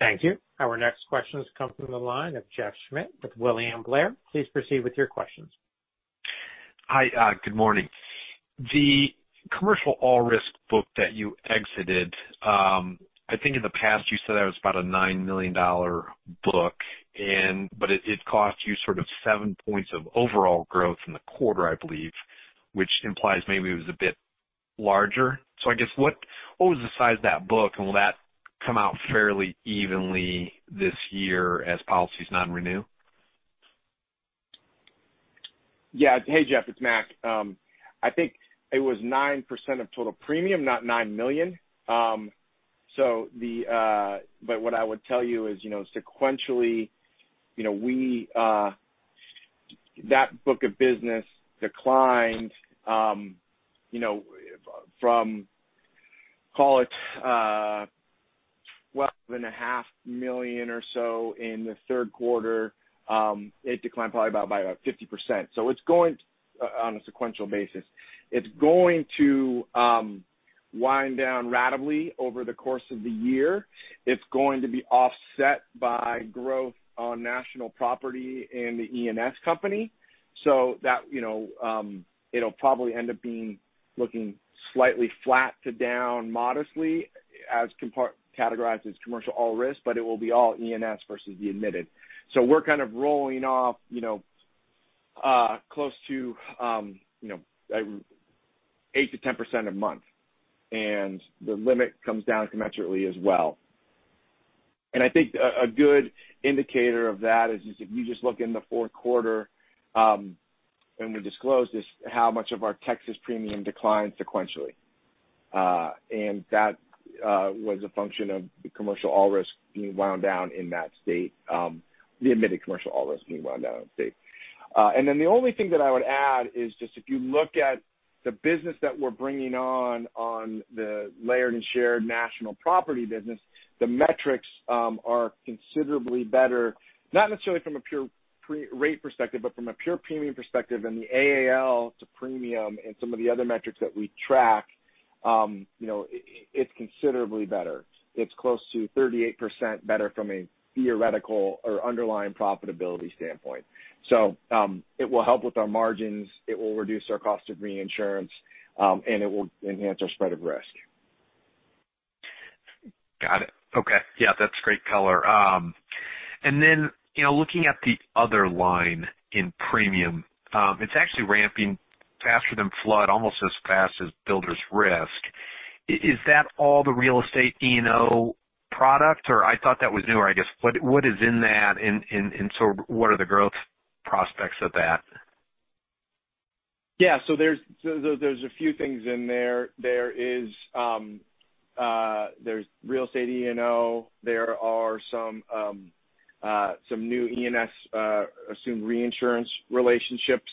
Thank you. Our next question comes from the line of Jeff Schmitt with William Blair. Please proceed with your questions. Hi. Good morning. The commercial all risk book that you exited, I think in the past you said that was about a $9 million book, but it cost you sort of seven points of overall growth in the quarter, I believe, which implies maybe it was a bit larger. I guess, what was the size of that book, and will that come out fairly evenly this year as policies not renew? Yeah. Hey, Jeff, it's Mac. I think it was 9% of total premium, not $9 million. What I would tell you is sequentially, that book of business declined from, call it, $12.5 million or so in the third quarter. It declined probably by about 50% on a sequential basis. It's going to wind down ratably over the course of the year. It's going to be offset by growth on national property in the E&S company. It'll probably end up being looking slightly flat to down modestly as categorized as commercial all risk, but it will be all E&S versus the admitted. We're kind of rolling off close to 8%-10% a month, and the limit comes down commensurately as well. I think a good indicator of that is if you just look in the fourth quarter, and we disclosed this, how much of our Texas premium declined sequentially. That was a function of the commercial all risk being wound down in that state, the admitted commercial all risk being wound down in the state. The only thing that I would add is just if you look at the business that we're bringing on the layered and shared national property business, the metrics are considerably better. Not necessarily from a pure rate perspective, but from a pure premium perspective. The AAL to premium and some of the other metrics that we track, it's considerably better. It's close to 38% better from a theoretical or underlying profitability standpoint. It will help with our margins, it will reduce our cost of reinsurance, and it will enhance our spread of risk. Got it. Okay. Yeah, that's great color. Looking at the other line in premium, it's actually ramping faster than flood, almost as fast as builders risk. Is that all the real estate E&O product, or I thought that was newer, I guess. What is in that, what are the growth prospects of that? Yeah. There's a few things in there. There's real estate E&O. There are some new E&S assumed reinsurance relationships.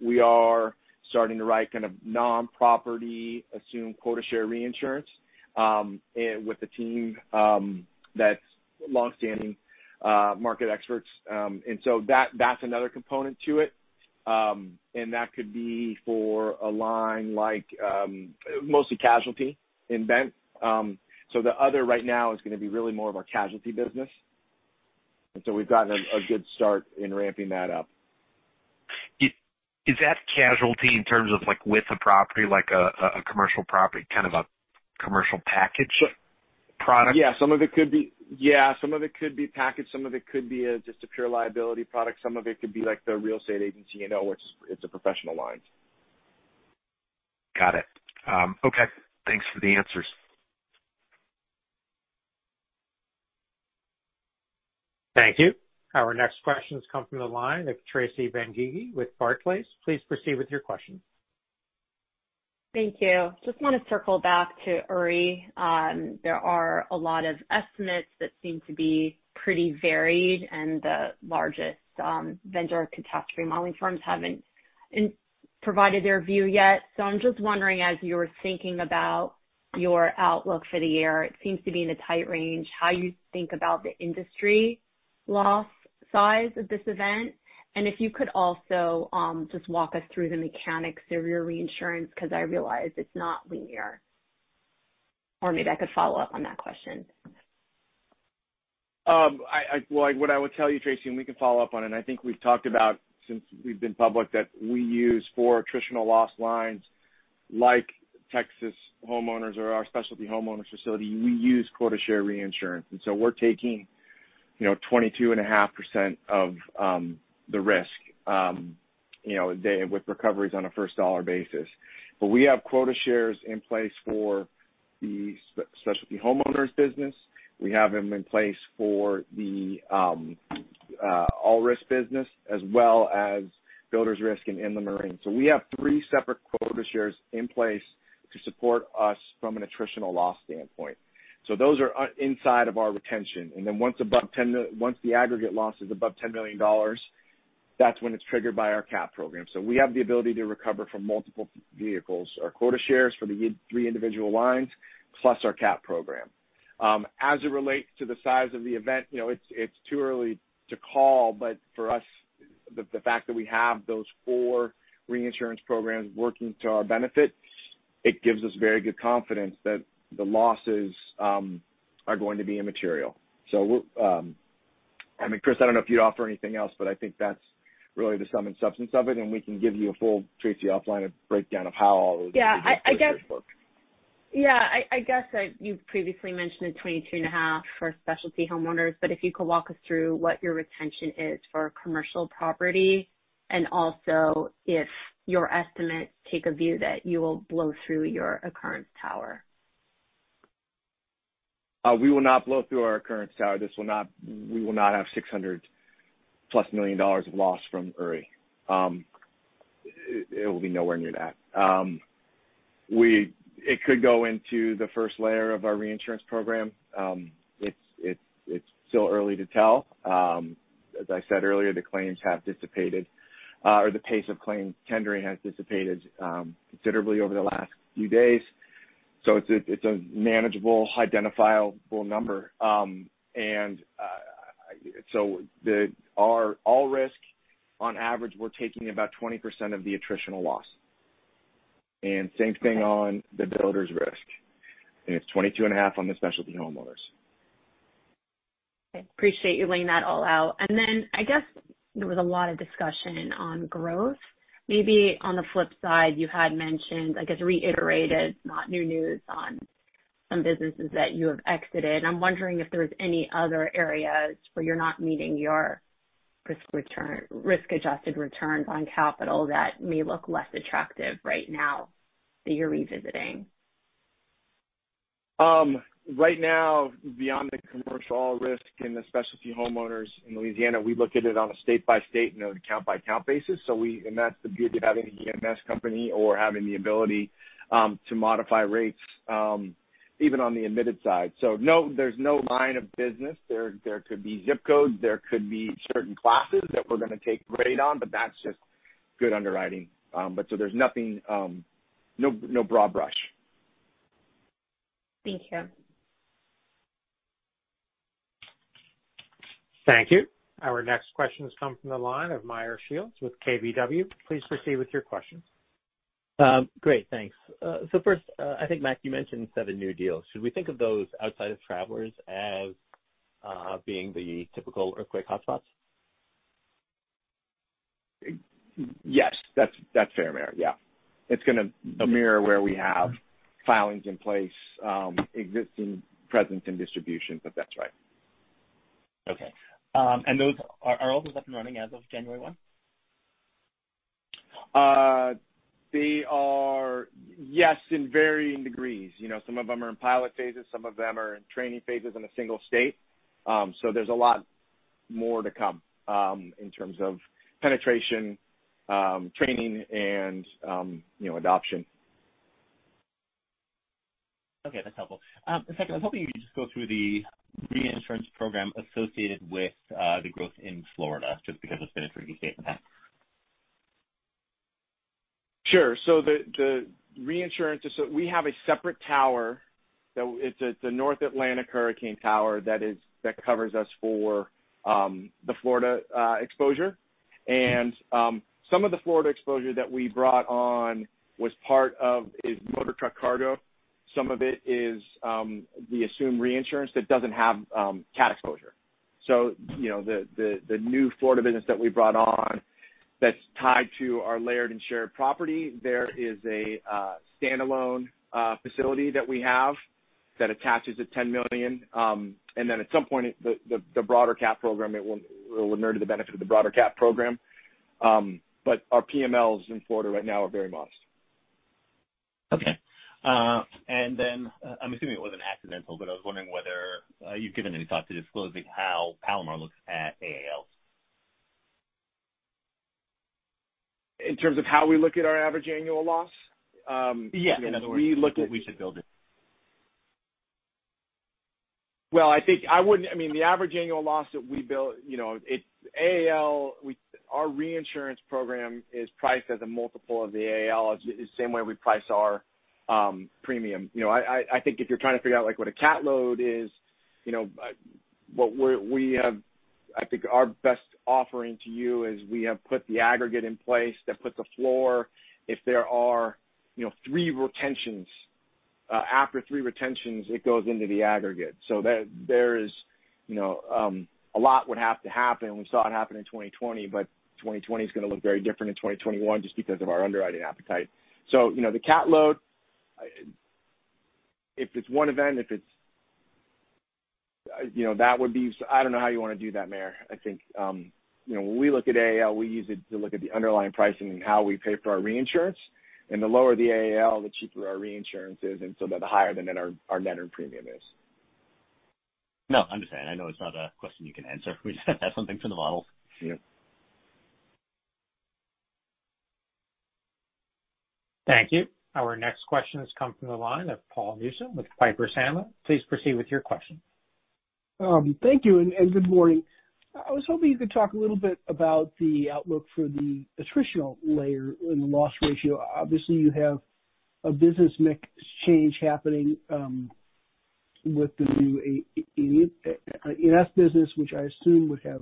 We are starting to write kind of non-property assumed quota share reinsurance with a team that's longstanding market experts. That's another component to it. That could be for a line like mostly casualty. The other right now is going to be really more of our casualty business. We've gotten a good start in ramping that up. Is that casualty in terms of like with a property, like a commercial property, kind of a commercial package product? Yeah, some of it could be package, some of it could be just a pure liability product. Some of it could be like the real estate agency E&O, it's a professional line. Got it. Okay. Thanks for the answers. Thank you. Our next question comes from the line of Tracy Benguigui with Barclays. Please proceed with your question. Thank you. Just want to circle back to Uri. There are a lot of estimates that seem to be pretty varied, and the largest vendor catastrophe modeling firms haven't provided their view yet. I'm just wondering, as you're thinking about your outlook for the year, it seems to be in a tight range, how you think about the industry loss size of this event? If you could also just walk us through the mechanics of your reinsurance, because I realize it's not linear. Maybe I could follow up on that question. What I would tell you, Tracy, we can follow up on it, I think we've talked about since we've been public, that we use four attritional loss lines like Texas Homeowners or our specialty homeowners facility. We use quota share reinsurance, we're taking 22.5% of the risk with recoveries on a first dollar basis. We have quota shares in place for the specialty homeowners business. We have them in place for the all-risk business, as well as builders risk and in the marine. We have three separate quota shares in place to support us from an attritional loss standpoint. Those are inside of our retention. Once the aggregate loss is above $10 million, that's when it's triggered by our CAT program. We have the ability to recover from multiple vehicles. Our quota shares for the three individual lines, plus our CAT program. As it relates to the size of the event, it's too early to call, but for us, the fact that we have those four reinsurance programs working to our benefit, it gives us very good confidence that the losses are going to be immaterial. I mean, Chris, I don't know if you'd offer anything else, but I think that's really the sum and substance of it, and we can give you a full Tracy outline of breakdown of how all of these- Yeah, I guess- quotas work. Yeah. I guess you've previously mentioned the 22.5 for specialty homeowners, but if you could walk us through what your retention is for commercial property, and also if your estimates take a view that you will blow through your occurrence tower. We will not blow through our occurrence tower. We will not have $600 million+ of loss from Uri. It will be nowhere near that. It could go into the first layer of our reinsurance program. It's still early to tell. As I said earlier, the claims have dissipated, or the pace of claims tendering has dissipated considerably over the last few days. It's a manageable, identifiable number. Our all risk, on average, we're taking about 20% of the attritional loss. Same thing on the Builders Risk. It's 22.5 on the specialty homeowners. Appreciate you laying that all out. I guess there was a lot of discussion on growth. Maybe on the flip side, you had mentioned, I guess, reiterated, not new news on some businesses that you have exited. I'm wondering if there's any other areas where you're not meeting your risk-adjusted returns on capital that may look less attractive right now that you're revisiting. Right now, beyond the commercial all risk and the specialty homeowners in Louisiana, we look at it on a state-by-state and an account-by-account basis. That's the beauty of having an E&S company or having the ability to modify rates, even on the admitted side. No, there's no line of business. There could be zip codes, there could be certain classes that we're going to take rate on, but that's just good underwriting. There's nothing, no broad brush. Thank you. Thank you. Our next question comes from the line of Meyer Shields with KBW. Please proceed with your questions. Great. Thanks. First, I think, Mac, you mentioned seven new deals. Should we think of those outside of Travelers as being the typical earthquake hotspots? Yes. That's fair, Meyer. Yeah. It's going to mirror where we have filings in place, existing presence, and distribution, that's right. Okay. Those are all those up and running as of January 1? They are Yes. In varying degrees. Some of them are in pilot phases, some of them are in training phases in a single state. There's a lot more to come, in terms of penetration, training, and adoption. Okay, that's helpful. In fact, I was hoping you could just go through the reinsurance program associated with the growth in Florida, just because it's been a tricky state in the past. Sure. The reinsurance, we have a separate tower, it's a North Atlantic hurricane tower that covers us for the Florida exposure. Some of the Florida exposure that we brought on was part of motor truck cargo. Some of it is the assumed reinsurance that doesn't have CAT exposure. The new Florida business that we brought on that's tied to our layered and shared property, there is a standalone facility that we have that attaches at $10 million. At some point, the broader CAT program, it will mirror to the benefit of the broader CAT program. Our PMLs in Florida right now are very modest. Okay. I'm assuming it wasn't accidental, but I was wondering whether you've given any thought to disclosing how Palomar looks at AAL. In terms of how we look at our average annual loss? Yeah. We look at- we should build it. Well, I think the average annual loss that we build, AAL, our reinsurance program is priced as a multiple of the AAL, same way we price our premium. I think if you're trying to figure out what a CAT load is, I think our best offering to you is we have put the aggregate in place that puts a floor. If there are three retentions, after three retentions, it goes into the aggregate. A lot would have to happen. We saw it happen in 2020, but 2020's going to look very different in 2021 just because of our underwriting appetite. The CAT load If it's one event, I don't know how you want to do that, Meyer. I think when we look at AAL, we use it to look at the underlying pricing and how we pay for our reinsurance. The lower the AAL, the cheaper our reinsurance is, the higher our net earned premium is. No, I understand. I know it is not a question you can answer. That is something for the models. Yeah. Thank you. Our next question has come from the line of Paul Newsome with Piper Sandler. Please proceed with your question. Thank you, and good morning. I was hoping you could talk a little bit about the outlook for the attritional layer in the loss ratio. Obviously, you have a business mix change happening with the new E&S business, which I assume would have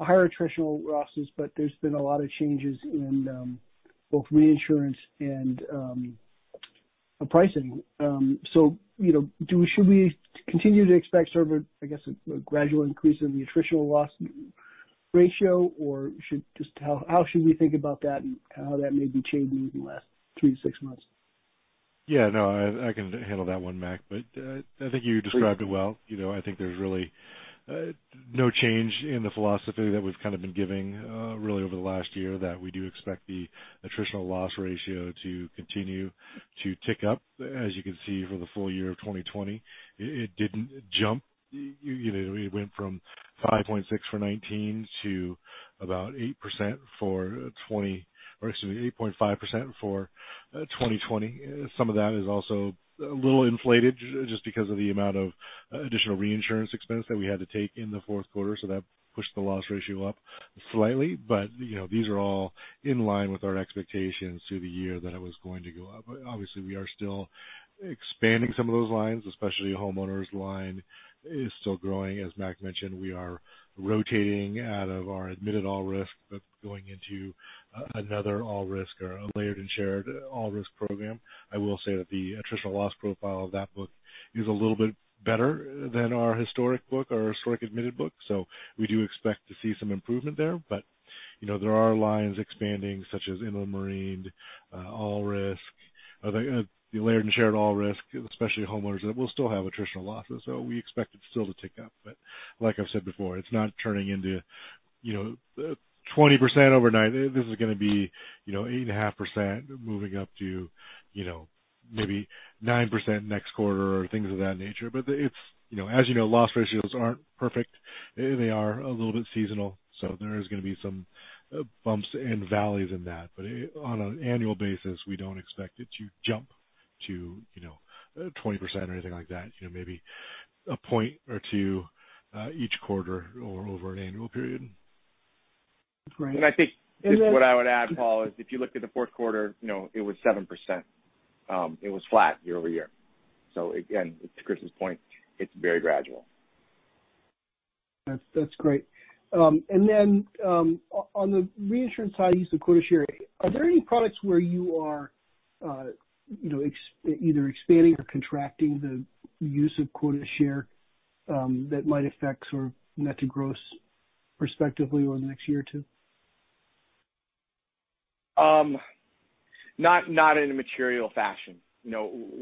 higher attritional losses, but there has been a lot of changes in both reinsurance and pricing. Should we continue to expect, I guess, a gradual increase in the attritional loss ratio, or how should we think about that and how that may be changing in the last three to six months? Yeah, no, I can handle that one, Mac, but I think you described it well. I think there is really no change in the philosophy that we have been giving really over the last year, that we do expect the attritional loss ratio to continue to tick up. As you can see, for the full year of 2020, it did not jump. It went from 5.6 for 2019 to about 8% for 2020, or excuse me, 8.5% for 2020. Some of that is also a little inflated just because of the amount of additional reinsurance expense that we had to take in the fourth quarter, that pushed the loss ratio up slightly. These are all in line with our expectations through the year that it was going to go up. Obviously, we are still expanding some of those lines, especially homeowners line is still growing. As Mac mentioned, we are rotating out of our admitted all risk, but going into another all risk or a layered and shared all risk program. I will say that the attritional loss profile of that book is a little bit better than our historic book, our historic admitted book. We do expect to see some improvement there. There are lines expanding, such as inland marine, all risk, the layered and shared all risk, especially homeowners, that will still have attritional losses. We expect it still to tick up. Like I've said before, it's not turning into 20% overnight. This is going to be 8.5% moving up to maybe 9% next quarter or things of that nature. As you know, loss ratios aren't perfect. They are a little bit seasonal, so there is going to be some bumps and valleys in that. On an annual basis, we don't expect it to jump to 20% or anything like that, maybe a point or two each quarter or over an annual period. Great. I think just what I would add, Paul, is if you looked at the fourth quarter, it was 7%. It was flat year-over-year. Again, to Chris's point, it's very gradual. That's great. Then on the reinsurance side, use of quota share, are there any products where you are either expanding or contracting the use of quota share that might affect net to gross respectively over the next year or two? Not in a material fashion.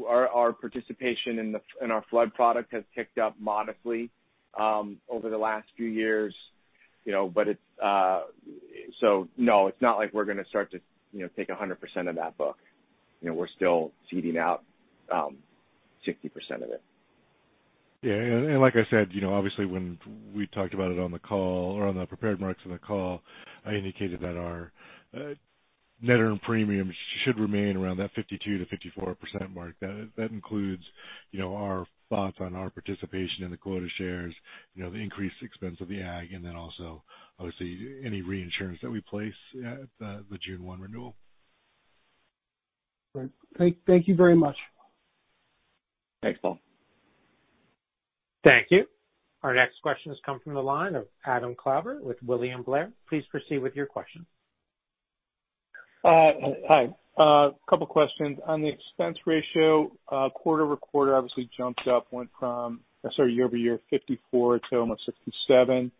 Our participation in our flood product has ticked up modestly over the last few years. No, it's not like we're going to start to take 100% of that book. We're still ceding out 60% of it. Yeah. Like I said, obviously, when we talked about it on the call or on the prepared remarks on the call, I indicated that our net earned premiums should remain around that 52%-54% mark. That includes our thoughts on our participation in the quota shares, the increased expense of the Agg, and then also, obviously, any reinsurance that we place at the June 1 renewal. Great. Thank you very much. Thanks, Paul. Thank you. Our next question has come from the line of Adam Klauber with William Blair. Please proceed with your question. Hi. Couple questions. On the expense ratio, quarter-over-quarter obviously jumped up, went from, sorry, year-over-year, 54 to almost 57.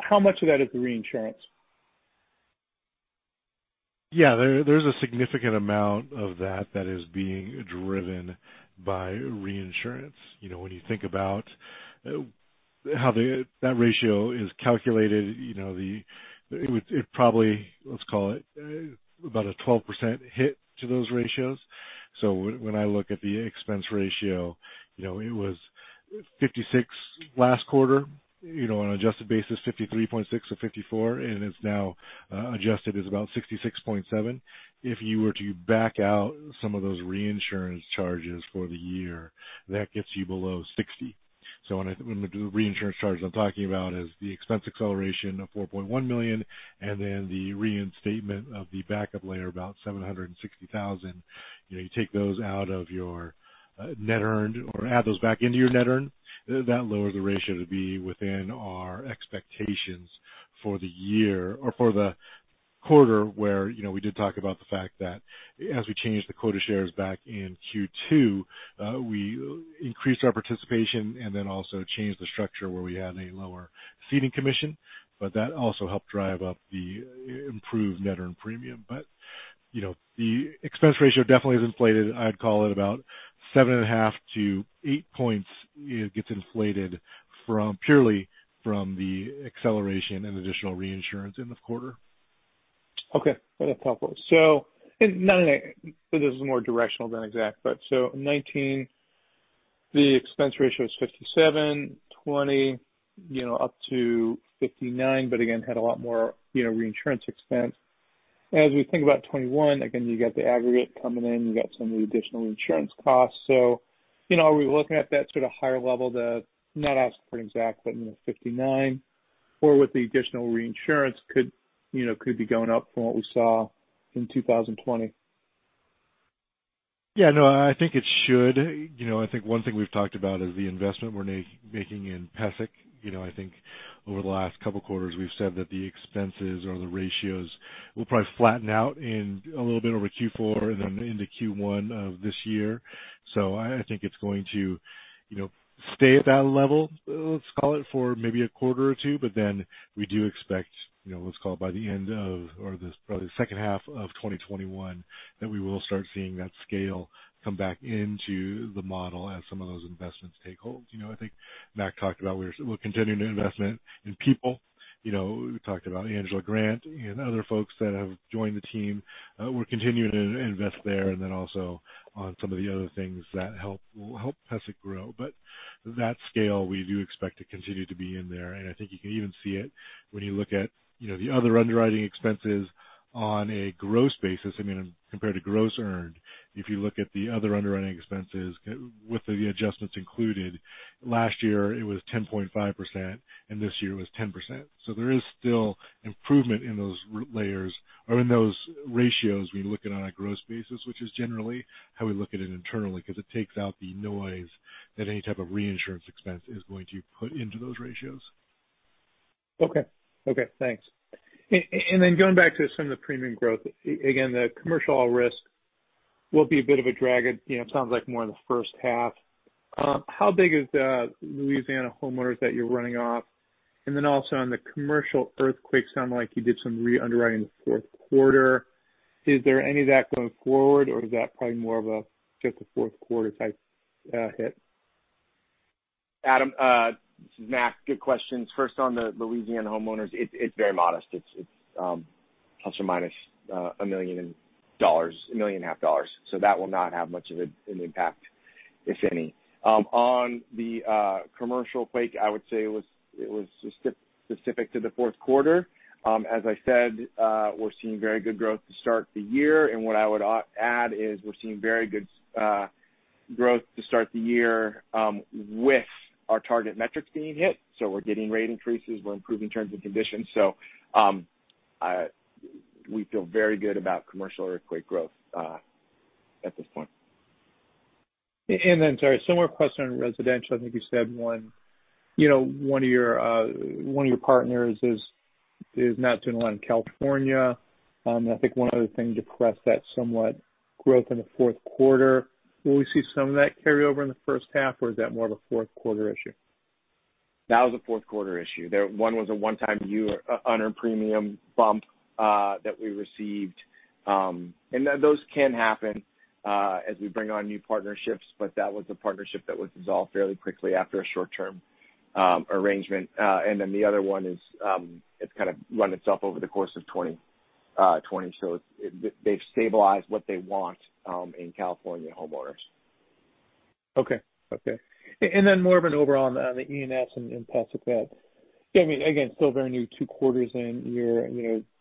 How much of that is the reinsurance? Yeah, there's a significant amount of that that is being driven by reinsurance. When you think about how that ratio is calculated, it probably, let's call it about a 12% hit to those ratios. When I look at the expense ratio, it was 56 last quarter, on adjusted basis, 53.6 or 54, and it's now adjusted as about 66.7. If you were to back out some of those reinsurance charges for the year, that gets you below 60. The reinsurance charges I'm talking about is the expense acceleration of $4.1 million and then the reinstatement of the backup layer, about $760,000. You take those out of your net earned or add those back into your net earn, that lowers the ratio to be within our expectations for the year or for the quarter, where we did talk about the fact that as we changed the quota shares back in Q2, we increase our participation and then also change the structure where we had a lower ceding commission. That also helped drive up the improved net earned premium. The expense ratio definitely is inflated. I'd call it about seven and a half to eight points, it gets inflated purely from the acceleration and additional reinsurance in the quarter. Okay. That's helpful. This is more directional than exact, but in 2019, the expense ratio is 57%, 2020 up to 59%, but again, had a lot more reinsurance expense. As we think about 2021, again, you got the aggregate coming in, you got some of the additional insurance costs. Are we looking at that sort of higher level, not asking for an exact, but 59% or with the additional reinsurance could be going up from what we saw in 2020? Yeah, no, I think it should. I think one thing we've talked about is the investment we're making in PESIC. I think over the last couple quarters, we've said that the expenses or the ratios will probably flatten out in a little bit over Q4 and then into Q1 of this year. I think it's going to stay at that level, let's call it for maybe a quarter or two, but then we do expect, let's call it by the end of or probably the second half of 2021 that we will start seeing that scale come back into the model as some of those investments take hold. I think Mac talked about we're continuing to investment in people. We talked about Angela Grant and other folks that have joined the team. We're continuing to invest there and then also on some of the other things that will help PESIC grow. That scale, we do expect to continue to be in there, and I think you can even see it when you look at the other underwriting expenses on a gross basis, compared to gross earned. If you look at the other underwriting expenses with the adjustments included, last year it was 10.5%, and this year it was 10%. There is still improvement in those layers or in those ratios when you look at it on a gross basis, which is generally how we look at it internally, because it takes out the noise that any type of reinsurance expense is going to put into those ratios. Okay. Thanks. Going back to some of the premium growth, again, the commercial all risk will be a bit of a drag. It sounds like more in the first half. How big is the Louisiana homeowners that you're running off? Also on the commercial earthquake, sounded like you did some re-underwriting in the fourth quarter. Is there any of that going forward, or is that probably more of a just a fourth quarter type hit? Adam, this is Mac. Good questions. First on the Louisiana homeowners, it's very modest. It's ±$1.5 million. That will not have much of an impact, if any. On the commercial quake, I would say it was specific to the fourth quarter. As I said, we're seeing very good growth to start the year, what I would add is we're seeing very good growth to start the year with our target metrics being hit. We're getting rate increases, we're improving terms and conditions. We feel very good about commercial earthquake growth at this point. Sorry, similar question on residential. I think you said one of your partners is not doing a lot in California. I think one other thing depressed that somewhat growth in the fourth quarter. Will we see some of that carry over in the first half, or is that more of a fourth quarter issue? That was a fourth quarter issue. One was a one-time unearned premium bump that we received. Those can happen as we bring on new partnerships, but that was a partnership that was dissolved fairly quickly after a short-term arrangement. The other one is kind of run itself over the course of 2020. They've stabilized what they want in California homeowners. Okay. More of an overall on the E&S and PESIC side. Again, still very new, two quarters in.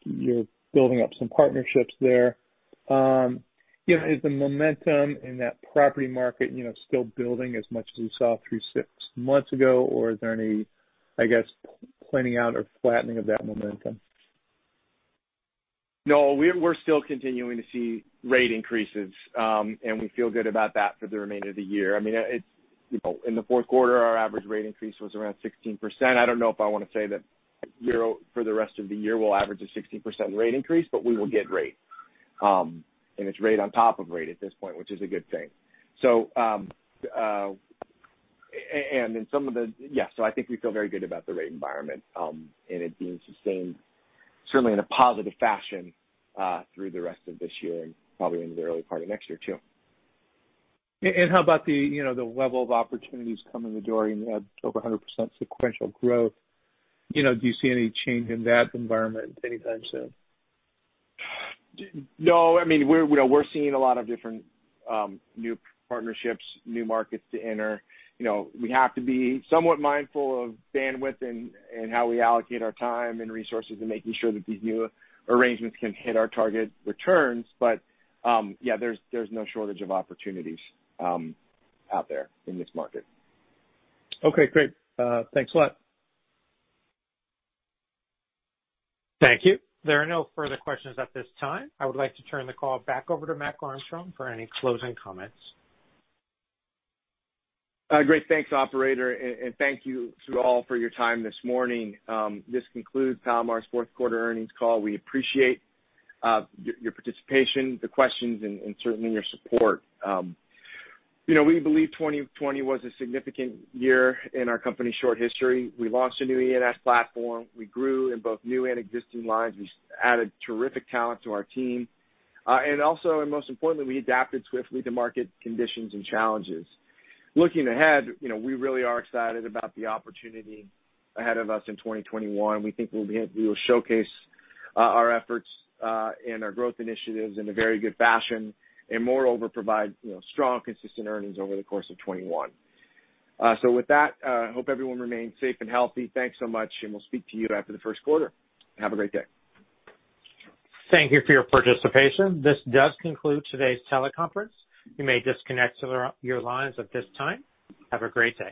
You're building up some partnerships there. Is the momentum in that property market still building as much as we saw three, six months ago? Or is there any, I guess, pointing out or flattening of that momentum? We're still continuing to see rate increases. We feel good about that for the remainder of the year. In the fourth quarter, our average rate increase was around 16%. I don't know if I want to say that for the rest of the year, we'll average a 16% rate increase, we will get rate. It's rate on top of rate at this point, which is a good thing. I think we feel very good about the rate environment and it being sustained certainly in a positive fashion through the rest of this year and probably into the early part of next year too. How about the level of opportunities coming the door? You had over 100% sequential growth. Do you see any change in that environment anytime soon? We're seeing a lot of different new partnerships, new markets to enter. We have to be somewhat mindful of bandwidth and how we allocate our time and resources and making sure that these new arrangements can hit our target returns. Yeah, there's no shortage of opportunities out there in this market. Great. Thanks a lot. Thank you. There are no further questions at this time. I would like to turn the call back over to Mac Armstrong for any closing comments. Great. Thanks, operator, and thank you to all for your time this morning. This concludes Palomar's fourth quarter earnings call. We appreciate your participation, the questions, and certainly your support. We believe 2020 was a significant year in our company's short history. We launched a new E&S platform. We grew in both new and existing lines. We added terrific talent to our team. Most importantly, we adapted swiftly to market conditions and challenges. Looking ahead, we really are excited about the opportunity ahead of us in 2021. We think we will showcase our efforts and our growth initiatives in a very good fashion, and moreover, provide strong, consistent earnings over the course of 2021. With that, I hope everyone remains safe and healthy. Thanks so much, and we'll speak to you after the first quarter. Have a great day. Thank you for your participation. This does conclude today's teleconference. You may disconnect your lines at this time. Have a great day.